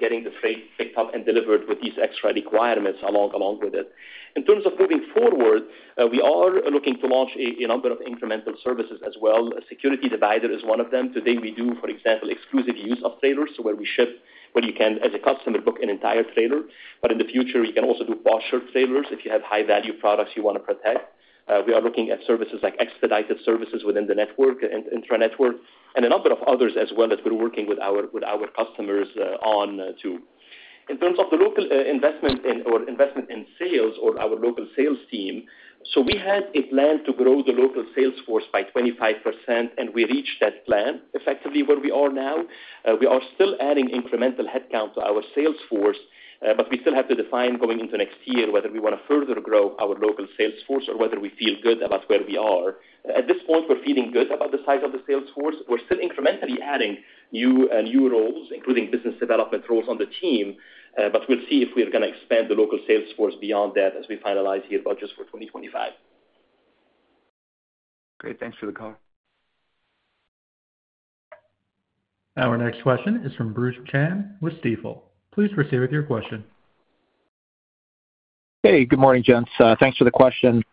getting the freight picked up and delivered with these extra requirements along with it. In terms of moving forward, we are looking to launch a number of incremental services as well. Security divider is one of them. Today, we do, for example, exclusive use of trailers, so where you can, as a customer, book an entire trailer. But in the future, you can also do partial trailers if you have high-value products you want to protect. We are looking at services like expedited services within the network, intranetwork, and a number of others as well that we're working with our customers on too. In terms of the local investment or investment in sales or our local sales team, so we had a plan to grow the local sales force by 25%, and we reached that plan effectively where we are now. We are still adding incremental headcount to our sales force, but we still have to define going into next year whether we want to further grow our local sales force or whether we feel good about where we are. At this point, we're feeling good about the size of the sales force. We're still incrementally adding new roles, including business development roles on the team. But we'll see if we're going to expand the local sales force beyond that as we finalize here budgets for 2025. Great. Thanks for the call. Our next question is from Bruce Chan with Stifel. Please proceed with your question. Hey, good morning, gents. Thanks for the question.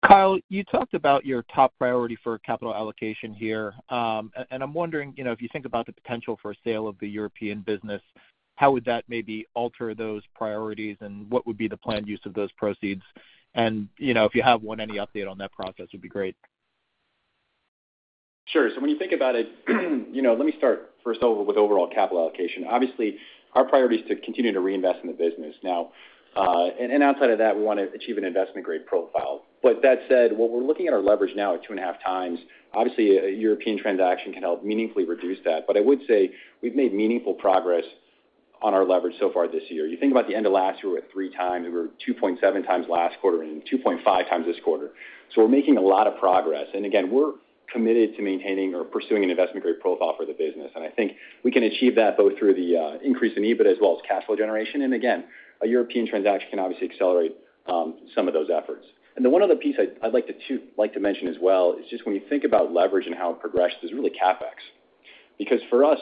Kyle, you talked about your top priority for capital allocation here. I'm wondering, if you think about the potential for sale of the European business, how would that maybe alter those priorities, and what would be the planned use of those proceeds? If you have one, any update on that process would be great. Sure. So when you think about it, let me start first over with overall capital allocation. Obviously, our priority is to continue to reinvest in the business. Now, and outside of that, we want to achieve an investment-grade profile. But that said, what we're looking at, our leverage now at two and a half times. Obviously, a European transaction can help meaningfully reduce that. But I would say we've made meaningful progress on our leverage so far this year. You think about the end of last year, we were at three times. We were 2.7 times last quarter and 2.5 times this quarter. So we're making a lot of progress. And again, we're committed to maintaining or pursuing an investment-grade profile for the business. And I think we can achieve that both through the increase in EBIT as well as cash flow generation. And again, a European transaction can obviously accelerate some of those efforts. And the one other piece I'd like to mention as well is just when you think about leverage and how it progresses, it's really CapEx. Because for us,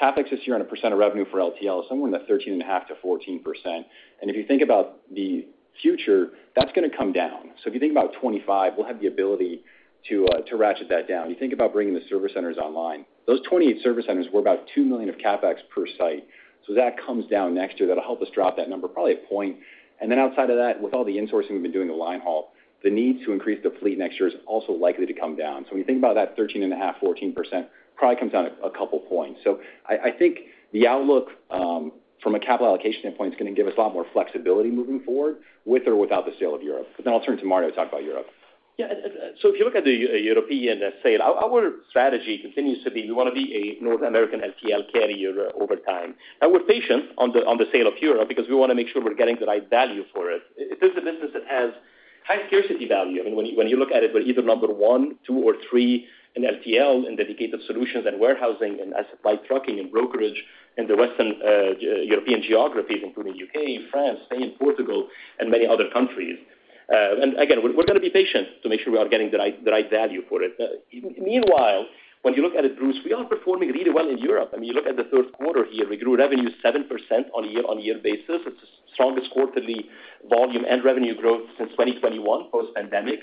CapEx this year on a percent of revenue for LTL is somewhere in the 13.5%-14%. And if you think about the future, that's going to come down. So if you think about 2025, we'll have the ability to ratchet that down. You think about bringing the service centers online. Those 28 service centers were about $2 million of CapEx per site. So that comes down next year. That'll help us drop that number probably a point. And then outside of that, with all the insourcing we've been doing to linehaul, the need to increase the fleet next year is also likely to come down. So when you think about that 13.5%-14%, it probably comes down a couple of points. So I think the outlook from a capital allocation standpoint is going to give us a lot more flexibility moving forward with or without the sale of Europe. But then I'll turn to Mario to talk about Europe. Yeah. So if you look at the European sale, our strategy continues to be we want to be a North American LTL carrier over time. Now, we're patient on the sale of Europe because we want to make sure we're getting the right value for it. It is a business that has high scarcity value. I mean, when you look at it, we're either number one, two, or three in LTL and dedicated solutions and warehousing and supply trucking and brokerage in the Western European geographies, including the U.K., France, Spain, Portugal, and many other countries. And again, we're going to be patient to make sure we are getting the right value for it. Meanwhile, when you look at it, Bruce, we are performing really well in Europe. I mean, you look at the third quarter here. We grew revenue 7% on a year-on-year basis. It's the strongest quarterly volume and revenue growth since 2021 post-pandemic.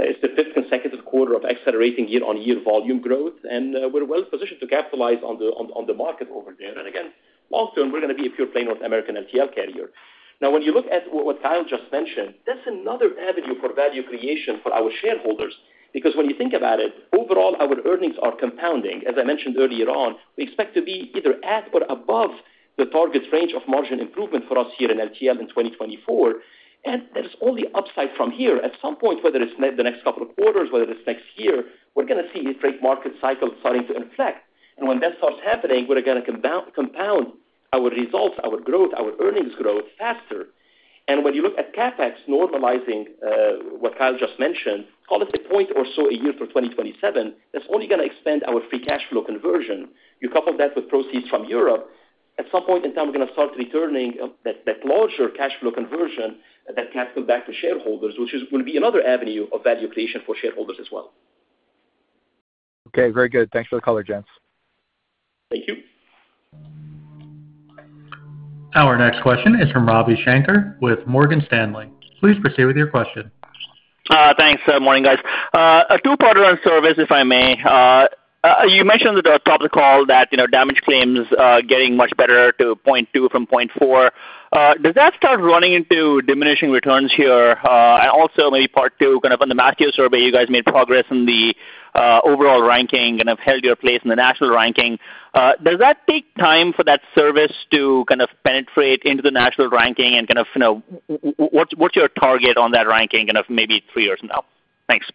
It's the fifth consecutive quarter of accelerating year-on-year volume growth. And we're well positioned to capitalize on the market over there. And again, long term, we're going to be a pure-play North American LTL carrier. Now, when you look at what Kyle just mentioned, that's another avenue for value creation for our shareholders. Because when you think about it, overall, our earnings are compounding. As I mentioned earlier on, we expect to be either at or above the target range of margin improvement for us here in LTL in 2024. And there's only upside from here. At some point, whether it's the next couple of quarters, whether it's next year, we're going to see a freight market cycle starting to inflect. And when that starts happening, we're going to compound our results, our growth, our earnings growth faster. And when you look at CapEx normalizing, what Kyle just mentioned, call it a point or so a year for 2027, that's only going to expand our free cash flow conversion. You couple that with proceeds from Europe, at some point in time, we're going to start returning that larger cash flow conversion, that capital back to shareholders, which is going to be another avenue of value creation for shareholders as well. Okay. Very good. Thanks for the call, gents. Thank you. Our next question is from Ravi Shanker with Morgan Stanley. Please proceed with your question. Thanks. Morning, guys. A two-part question, if I may. You mentioned at the top of the call that damage claims are getting much better to 0.2% from 0.4%. Does that start running into diminishing returns here? And also, maybe part two, kind of on the Mastio survey, you guys made progress in the overall ranking and have held your place in the national ranking. Does that take time for that service to kind of penetrate into the national ranking? And kind of what's your target on that ranking in maybe three years from now? Thanks.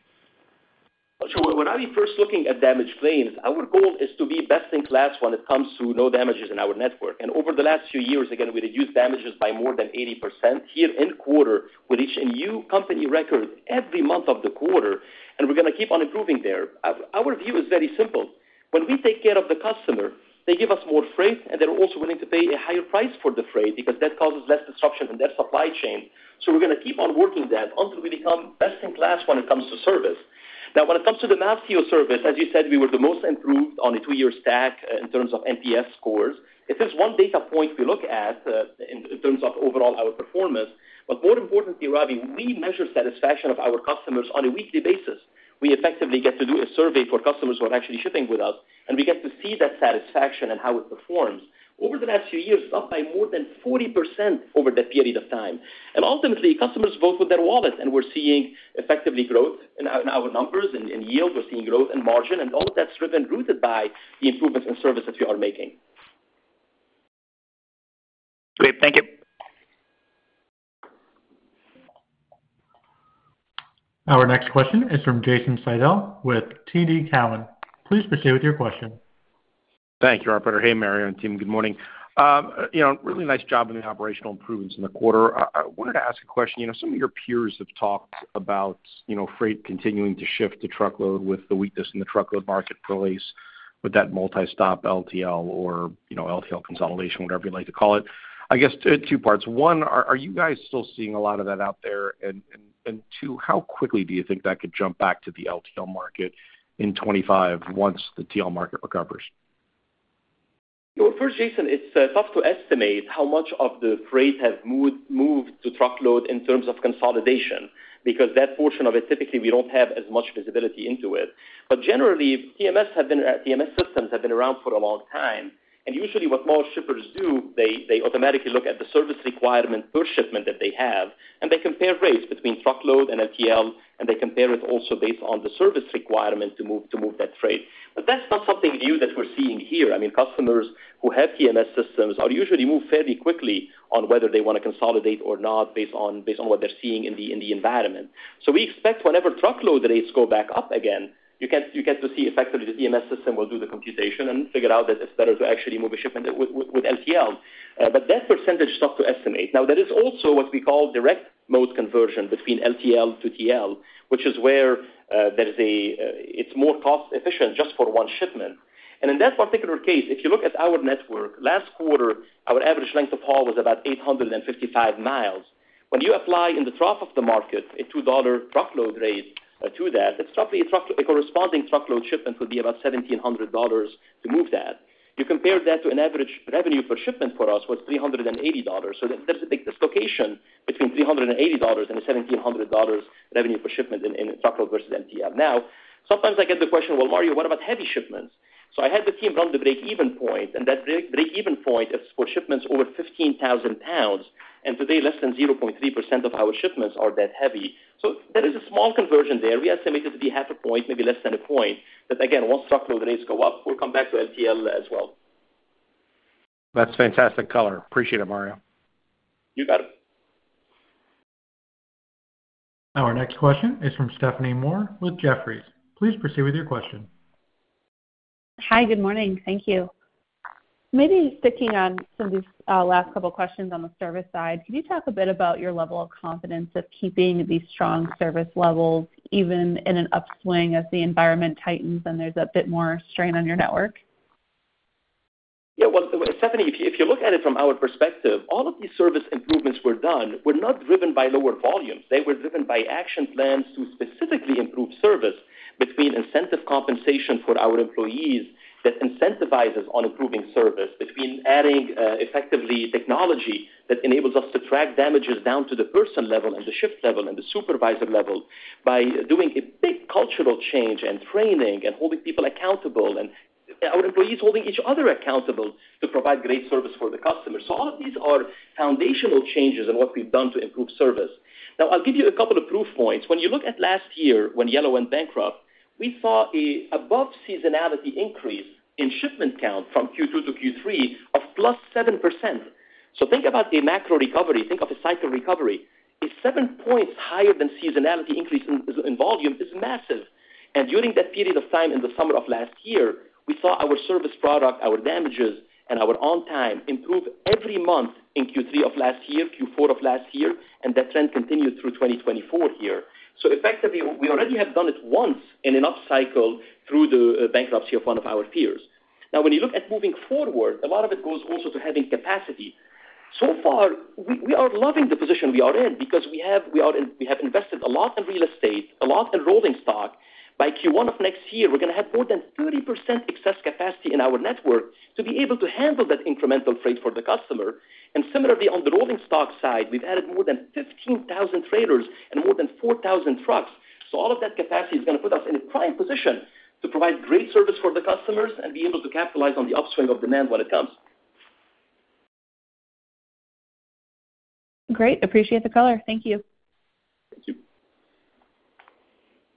When I'm first looking at damage claims, our goal is to be best in class when it comes to no damages in our network. Over the last few years, again, we reduced damages by more than 80% here in quarter. We're reaching new company records every month of the quarter, and we're going to keep on improving there. Our view is very simple. When we take care of the customer, they give us more freight, and they're also willing to pay a higher price for the freight because that causes less disruption in their supply chain. We're going to keep on working that until we become best in class when it comes to service. Now, when it comes to the Mastio survey, as you said, we were the most improved on a two-year stack in terms of NPS scores. If there's one data point we look at in terms of overall our performance, but more importantly, Ravi, we measure satisfaction of our customers on a weekly basis. We effectively get to do a survey for customers who are actually shipping with us, and we get to see that satisfaction and how it performs. Over the last few years, it's up by more than 40% over that period of time, and ultimately, customers vote with their wallet, and we're seeing effectively growth in our numbers and yield. We're seeing growth in margin, and all of that's driven and rooted by the improvements in service that we are making. Great. Thank you. Our next question is from Jason Seidl with TD Cowen. Please proceed with your question. Thank you, Ravi. Hey, Mario and team. Good morning. Really nice job on the operational improvements in the quarter. I wanted to ask a question. Some of your peers have talked about freight continuing to shift to truckload with the weakness in the truckload marketplace with that multi-stop LTL or LTL consolidation, whatever you like to call it. I guess two parts. One, are you guys still seeing a lot of that out there? And two, how quickly do you think that could jump back to the LTL market in 2025 once the TL market recovers? First, Jason, it's tough to estimate how much of the freight has moved to truckload in terms of consolidation because that portion of it, typically, we don't have as much visibility into it. Generally, TMS systems have been around for a long time. Usually, what most shippers do, they automatically look at the service requirement per shipment that they have, and they compare rates between truckload and LTL, and they compare it also based on the service requirement to move that freight. That's not something new that we're seeing here. I mean, customers who have TMS systems are usually moved fairly quickly on whether they want to consolidate or not based on what they're seeing in the environment. So we expect whenever truckload rates go back up again, you get to see effectively the TMS system will do the computation and figure out that it's better to actually move a shipment with LTL. But that percentage is tough to estimate. Now, there is also what we call direct mode conversion between LTL to TL, which is where it's more cost-efficient just for one shipment. And in that particular case, if you look at our network, last quarter, our average length of haul was about 855 miles. When you apply in the trough of the market a $2 truckload rate to that, it's roughly a corresponding truckload shipment would be about $1,700 to move that. You compare that to an average revenue per shipment for us was $380. So there's a big dislocation between $380 and a $1,700 revenue per shipment in truckload versus LTL. Now, sometimes I get the question, "Well, Mario, what about heavy shipments?" So I had the team run the break-even point, and that break-even point is for shipments over 15,000 pounds. And today, less than 0.3% of our shipments are that heavy. So there is a small conversion there. We estimate it to be half a point, maybe less than a point, that again, once truckload rates go up, we'll come back to LTL as well. That's fantastic color. Appreciate it, Mario. You got it. Our next question is from Stephanie Moore with Jefferies. Please proceed with your question. Hi. Good morning. Thank you. Maybe sticking on some of these last couple of questions on the service side, can you talk a bit about your level of confidence of keeping these strong service levels even in an upswing as the environment tightens and there's a bit more strain on your network? Yeah. Well, Stephanie, if you look at it from our perspective, all of these service improvements were done. We're not driven by lower volumes. They were driven by action plans to specifically improve service between incentive compensation for our employees that incentivizes on improving service between adding effectively technology that enables us to track damages down to the person level and the shift level and the supervisor level by doing a big cultural change and training and holding people accountable and our employees holding each other accountable to provide great service for the customers. So all of these are foundational changes in what we've done to improve service. Now, I'll give you a couple of proof points. When you look at last year when Yellow went bankrupt, we saw an above-seasonality increase in shipment count from Q2 to Q3 of plus 7%. So think about a macro recovery. Think of a cycle recovery. It's seven points higher than seasonality. Increase in volume is massive, and during that period of time in the summer of last year, we saw our service product, our damages, and our on-time improve every month in Q3 of last year, Q4 of last year, and that trend continued through 2024 here, so effectively, we already have done it once in an upcycle through the bankruptcy of one of our peers. Now, when you look at moving forward, a lot of it goes also to having capacity, so far, we are loving the position we are in because we have invested a lot in real estate, a lot in rolling stock. By Q1 of next year, we're going to have more than 30% excess capacity in our network to be able to handle that incremental freight for the customer. Similarly, on the rolling stock side, we've added more than 15,000 trailers and more than 4,000 trucks. All of that capacity is going to put us in a prime position to provide great service for the customers and be able to capitalize on the upswing of demand when it comes. Great. Appreciate the color. Thank you. Thank you.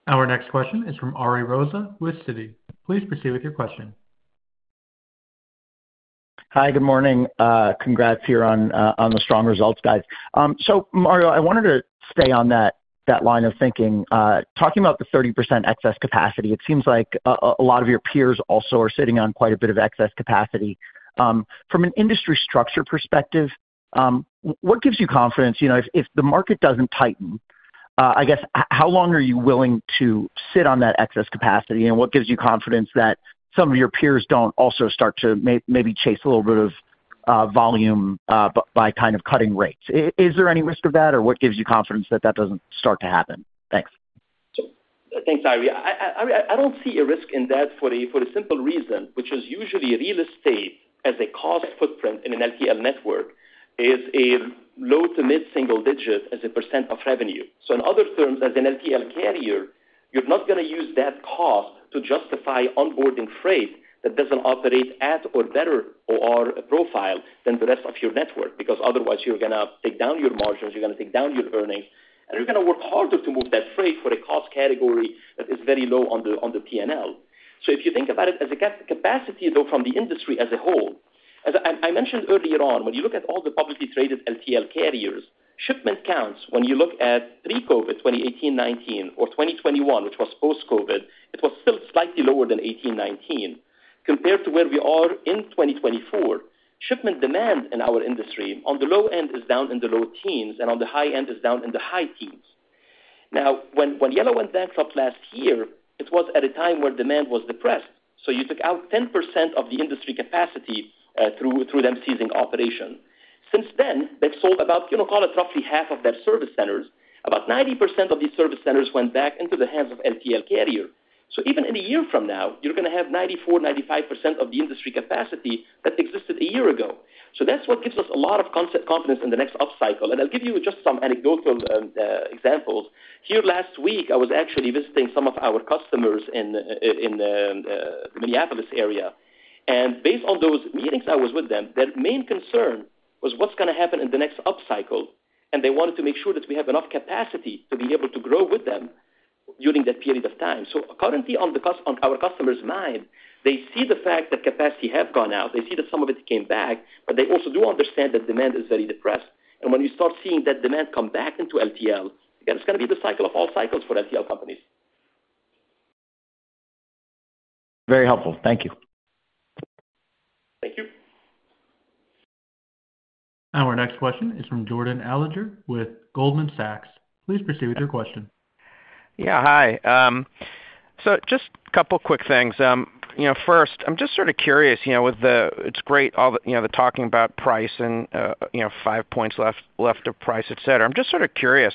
Our next question is from Ari Rosa with Citi. Please proceed with your question. Hi. Good morning. Congrats here on the strong results, guys. So Mario, I wanted to stay on that line of thinking. Talking about the 30% excess capacity, it seems like a lot of your peers also are sitting on quite a bit of excess capacity. From an industry structure perspective, what gives you confidence? If the market doesn't tighten, I guess, how long are you willing to sit on that excess capacity? And what gives you confidence that some of your peers don't also start to maybe chase a little bit of volume by kind of cutting rates? Is there any risk of that, or what gives you confidence that that doesn't start to happen? Thanks. Thanks, Ari. I don't see a risk in that for the simple reason, which is usually real estate as a cost footprint in an LTL network is a low- to mid-single-digit % of revenue. So in other terms, as an LTL carrier, you're not going to use that cost to justify onboarding freight that doesn't operate at or better OR profile than the rest of your network because otherwise, you're going to take down your margins. You're going to take down your earnings, and you're going to work harder to move that freight for a cost category that is very low on the P&L. So if you think about it as a capacity, though, from the industry as a whole, as I mentioned earlier on, when you look at all the publicly traded LTL carriers, shipment counts when you look at pre-COVID, 2018, 2019, or 2021, which was post-COVID, it was still slightly lower than 2018, 2019. Compared to where we are in 2024, shipment demand in our industry on the low end is down in the low teens, and on the high end is down in the high teens. Now, when Yellow went bankrupt last year, it was at a time where demand was depressed. So you took out 10% of the industry capacity through them ceasing operation. Since then, they've sold about, call it roughly half of their service centers. About 90% of these service centers went back into the hands of LTL carriers. So even in a year from now, you're going to have 94%-95% of the industry capacity that existed a year ago. So that's what gives us a lot of confidence in the next upcycle. And I'll give you just some anecdotal examples. Here last week, I was actually visiting some of our customers in the Minneapolis area. And based on those meetings I was with them, their main concern was what's going to happen in the next upcycle. And they wanted to make sure that we have enough capacity to be able to grow with them during that period of time. So currently, on our customers' mind, they see the fact that capacity has gone out. They see that some of it came back, but they also do understand that demand is very depressed. When you start seeing that demand come back into LTL, again, it's going to be the cycle of all cycles for LTL companies. Very helpful. Thank you. Thank you. Our next question is from Jordan Alliger with Goldman Sachs. Please proceed with your question. Yeah. Hi. So just a couple of quick things. First, I'm just sort of curious. With that, it's great, the talking about price and five points left on price, etc. I'm just sort of curious,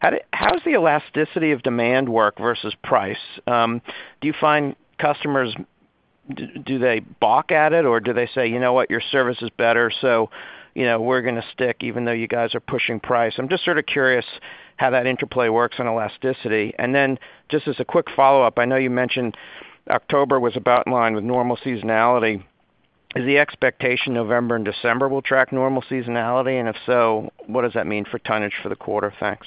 how does the elasticity of demand work versus price? Do you find customers, do they balk at it, or do they say, "You know what? Your service is better, so we're going to stick even though you guys are pushing price"? I'm just sort of curious how that interplay works on elasticity. And then just as a quick follow-up, I know you mentioned October was about in line with normal seasonality. Is the expectation November and December will track normal seasonality? And if so, what does that mean for tonnage for the quarter? Thanks.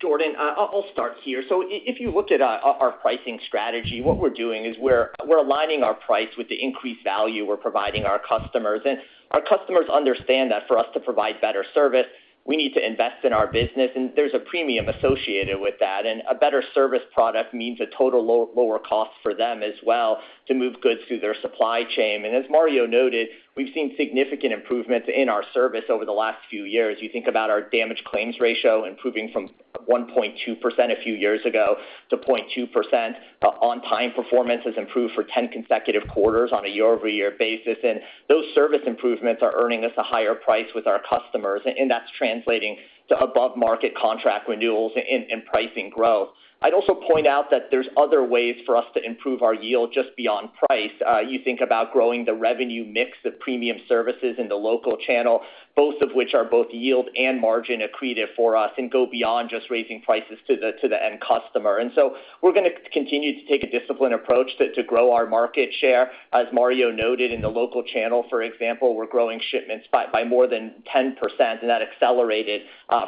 Jordan, I'll start here. So if you look at our pricing strategy, what we're doing is we're aligning our price with the increased value we're providing our customers. And our customers understand that for us to provide better service, we need to invest in our business. And there's a premium associated with that. And a better service product means a total lower cost for them as well to move goods through their supply chain. And as Mario noted, we've seen significant improvements in our service over the last few years. You think about our damage claims ratio improving from 1.2% a few years ago to 0.2%. On-time performance has improved for 10 consecutive quarters on a year-over-year basis. And those service improvements are earning us a higher price with our customers. And that's translating to above-market contract renewals and pricing growth. I'd also point out that there's other ways for us to improve our yield just beyond price. You think about growing the revenue mix of premium services in the local channel, both of which are both yield and margin accretive for us and go beyond just raising prices to the end customer, and so we're going to continue to take a disciplined approach to grow our market share. As Mario noted, in the local channel, for example, we're growing shipments by more than 10%, and that accelerated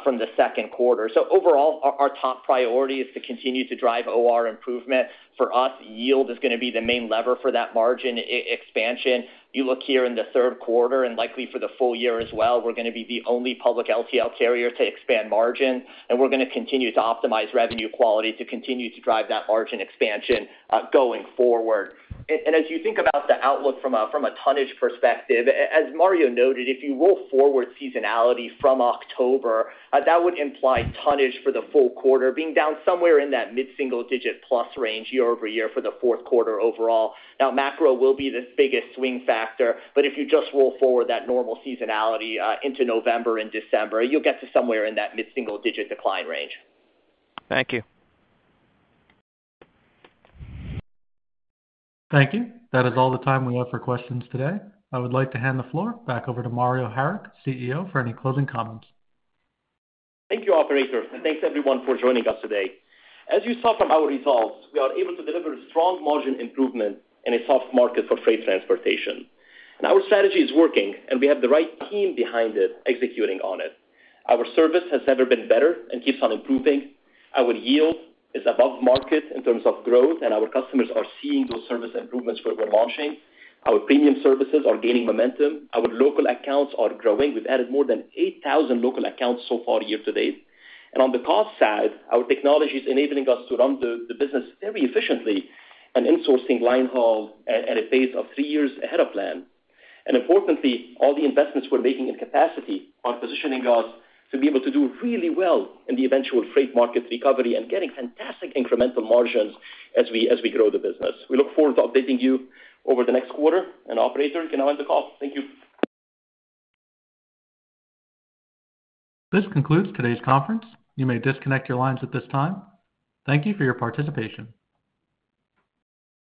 from the second quarter, so overall, our top priority is to continue to drive OR improvement. For us, yield is going to be the main lever for that margin expansion. You look here in the third quarter and likely for the full year as well, we're going to be the only public LTL carrier to expand margin. And we're going to continue to optimize revenue quality to continue to drive that margin expansion going forward. And as you think about the outlook from a tonnage perspective, as Mario noted, if you roll forward seasonality from October, that would imply tonnage for the full quarter being down somewhere in that mid-single digit plus range year over year for the fourth quarter overall. Now, macro will be the biggest swing factor. But if you just roll forward that normal seasonality into November and December, you'll get to somewhere in that mid-single digit decline range. Thank you. Thank you. That is all the time we have for questions today. I would like to hand the floor back over to Mario Harik, CEO, for any closing comments. Thank you, Operator. Thanks, everyone, for joining us today. As you saw from our results, we are able to deliver strong margin improvement in a soft market for freight transportation. Our strategy is working, and we have the right team behind it executing on it. Our service has never been better and keeps on improving. Our yield is above market in terms of growth, and our customers are seeing those service improvements we're launching. Our premium services are gaining momentum. Our local accounts are growing. We've added more than 8,000 local accounts so far year to date. On the cost side, our technology is enabling us to run the business very efficiently and insourcing linehaul at a pace of three years ahead of plan. Importantly, all the investments we're making in capacity are positioning us to be able to do really well in the eventual freight market recovery and getting fantastic incremental margins as we grow the business. We look forward to updating you over the next quarter. Operator, you can now end the call. Thank you. This concludes today's conference. You may disconnect your lines at this time. Thank you for your participation.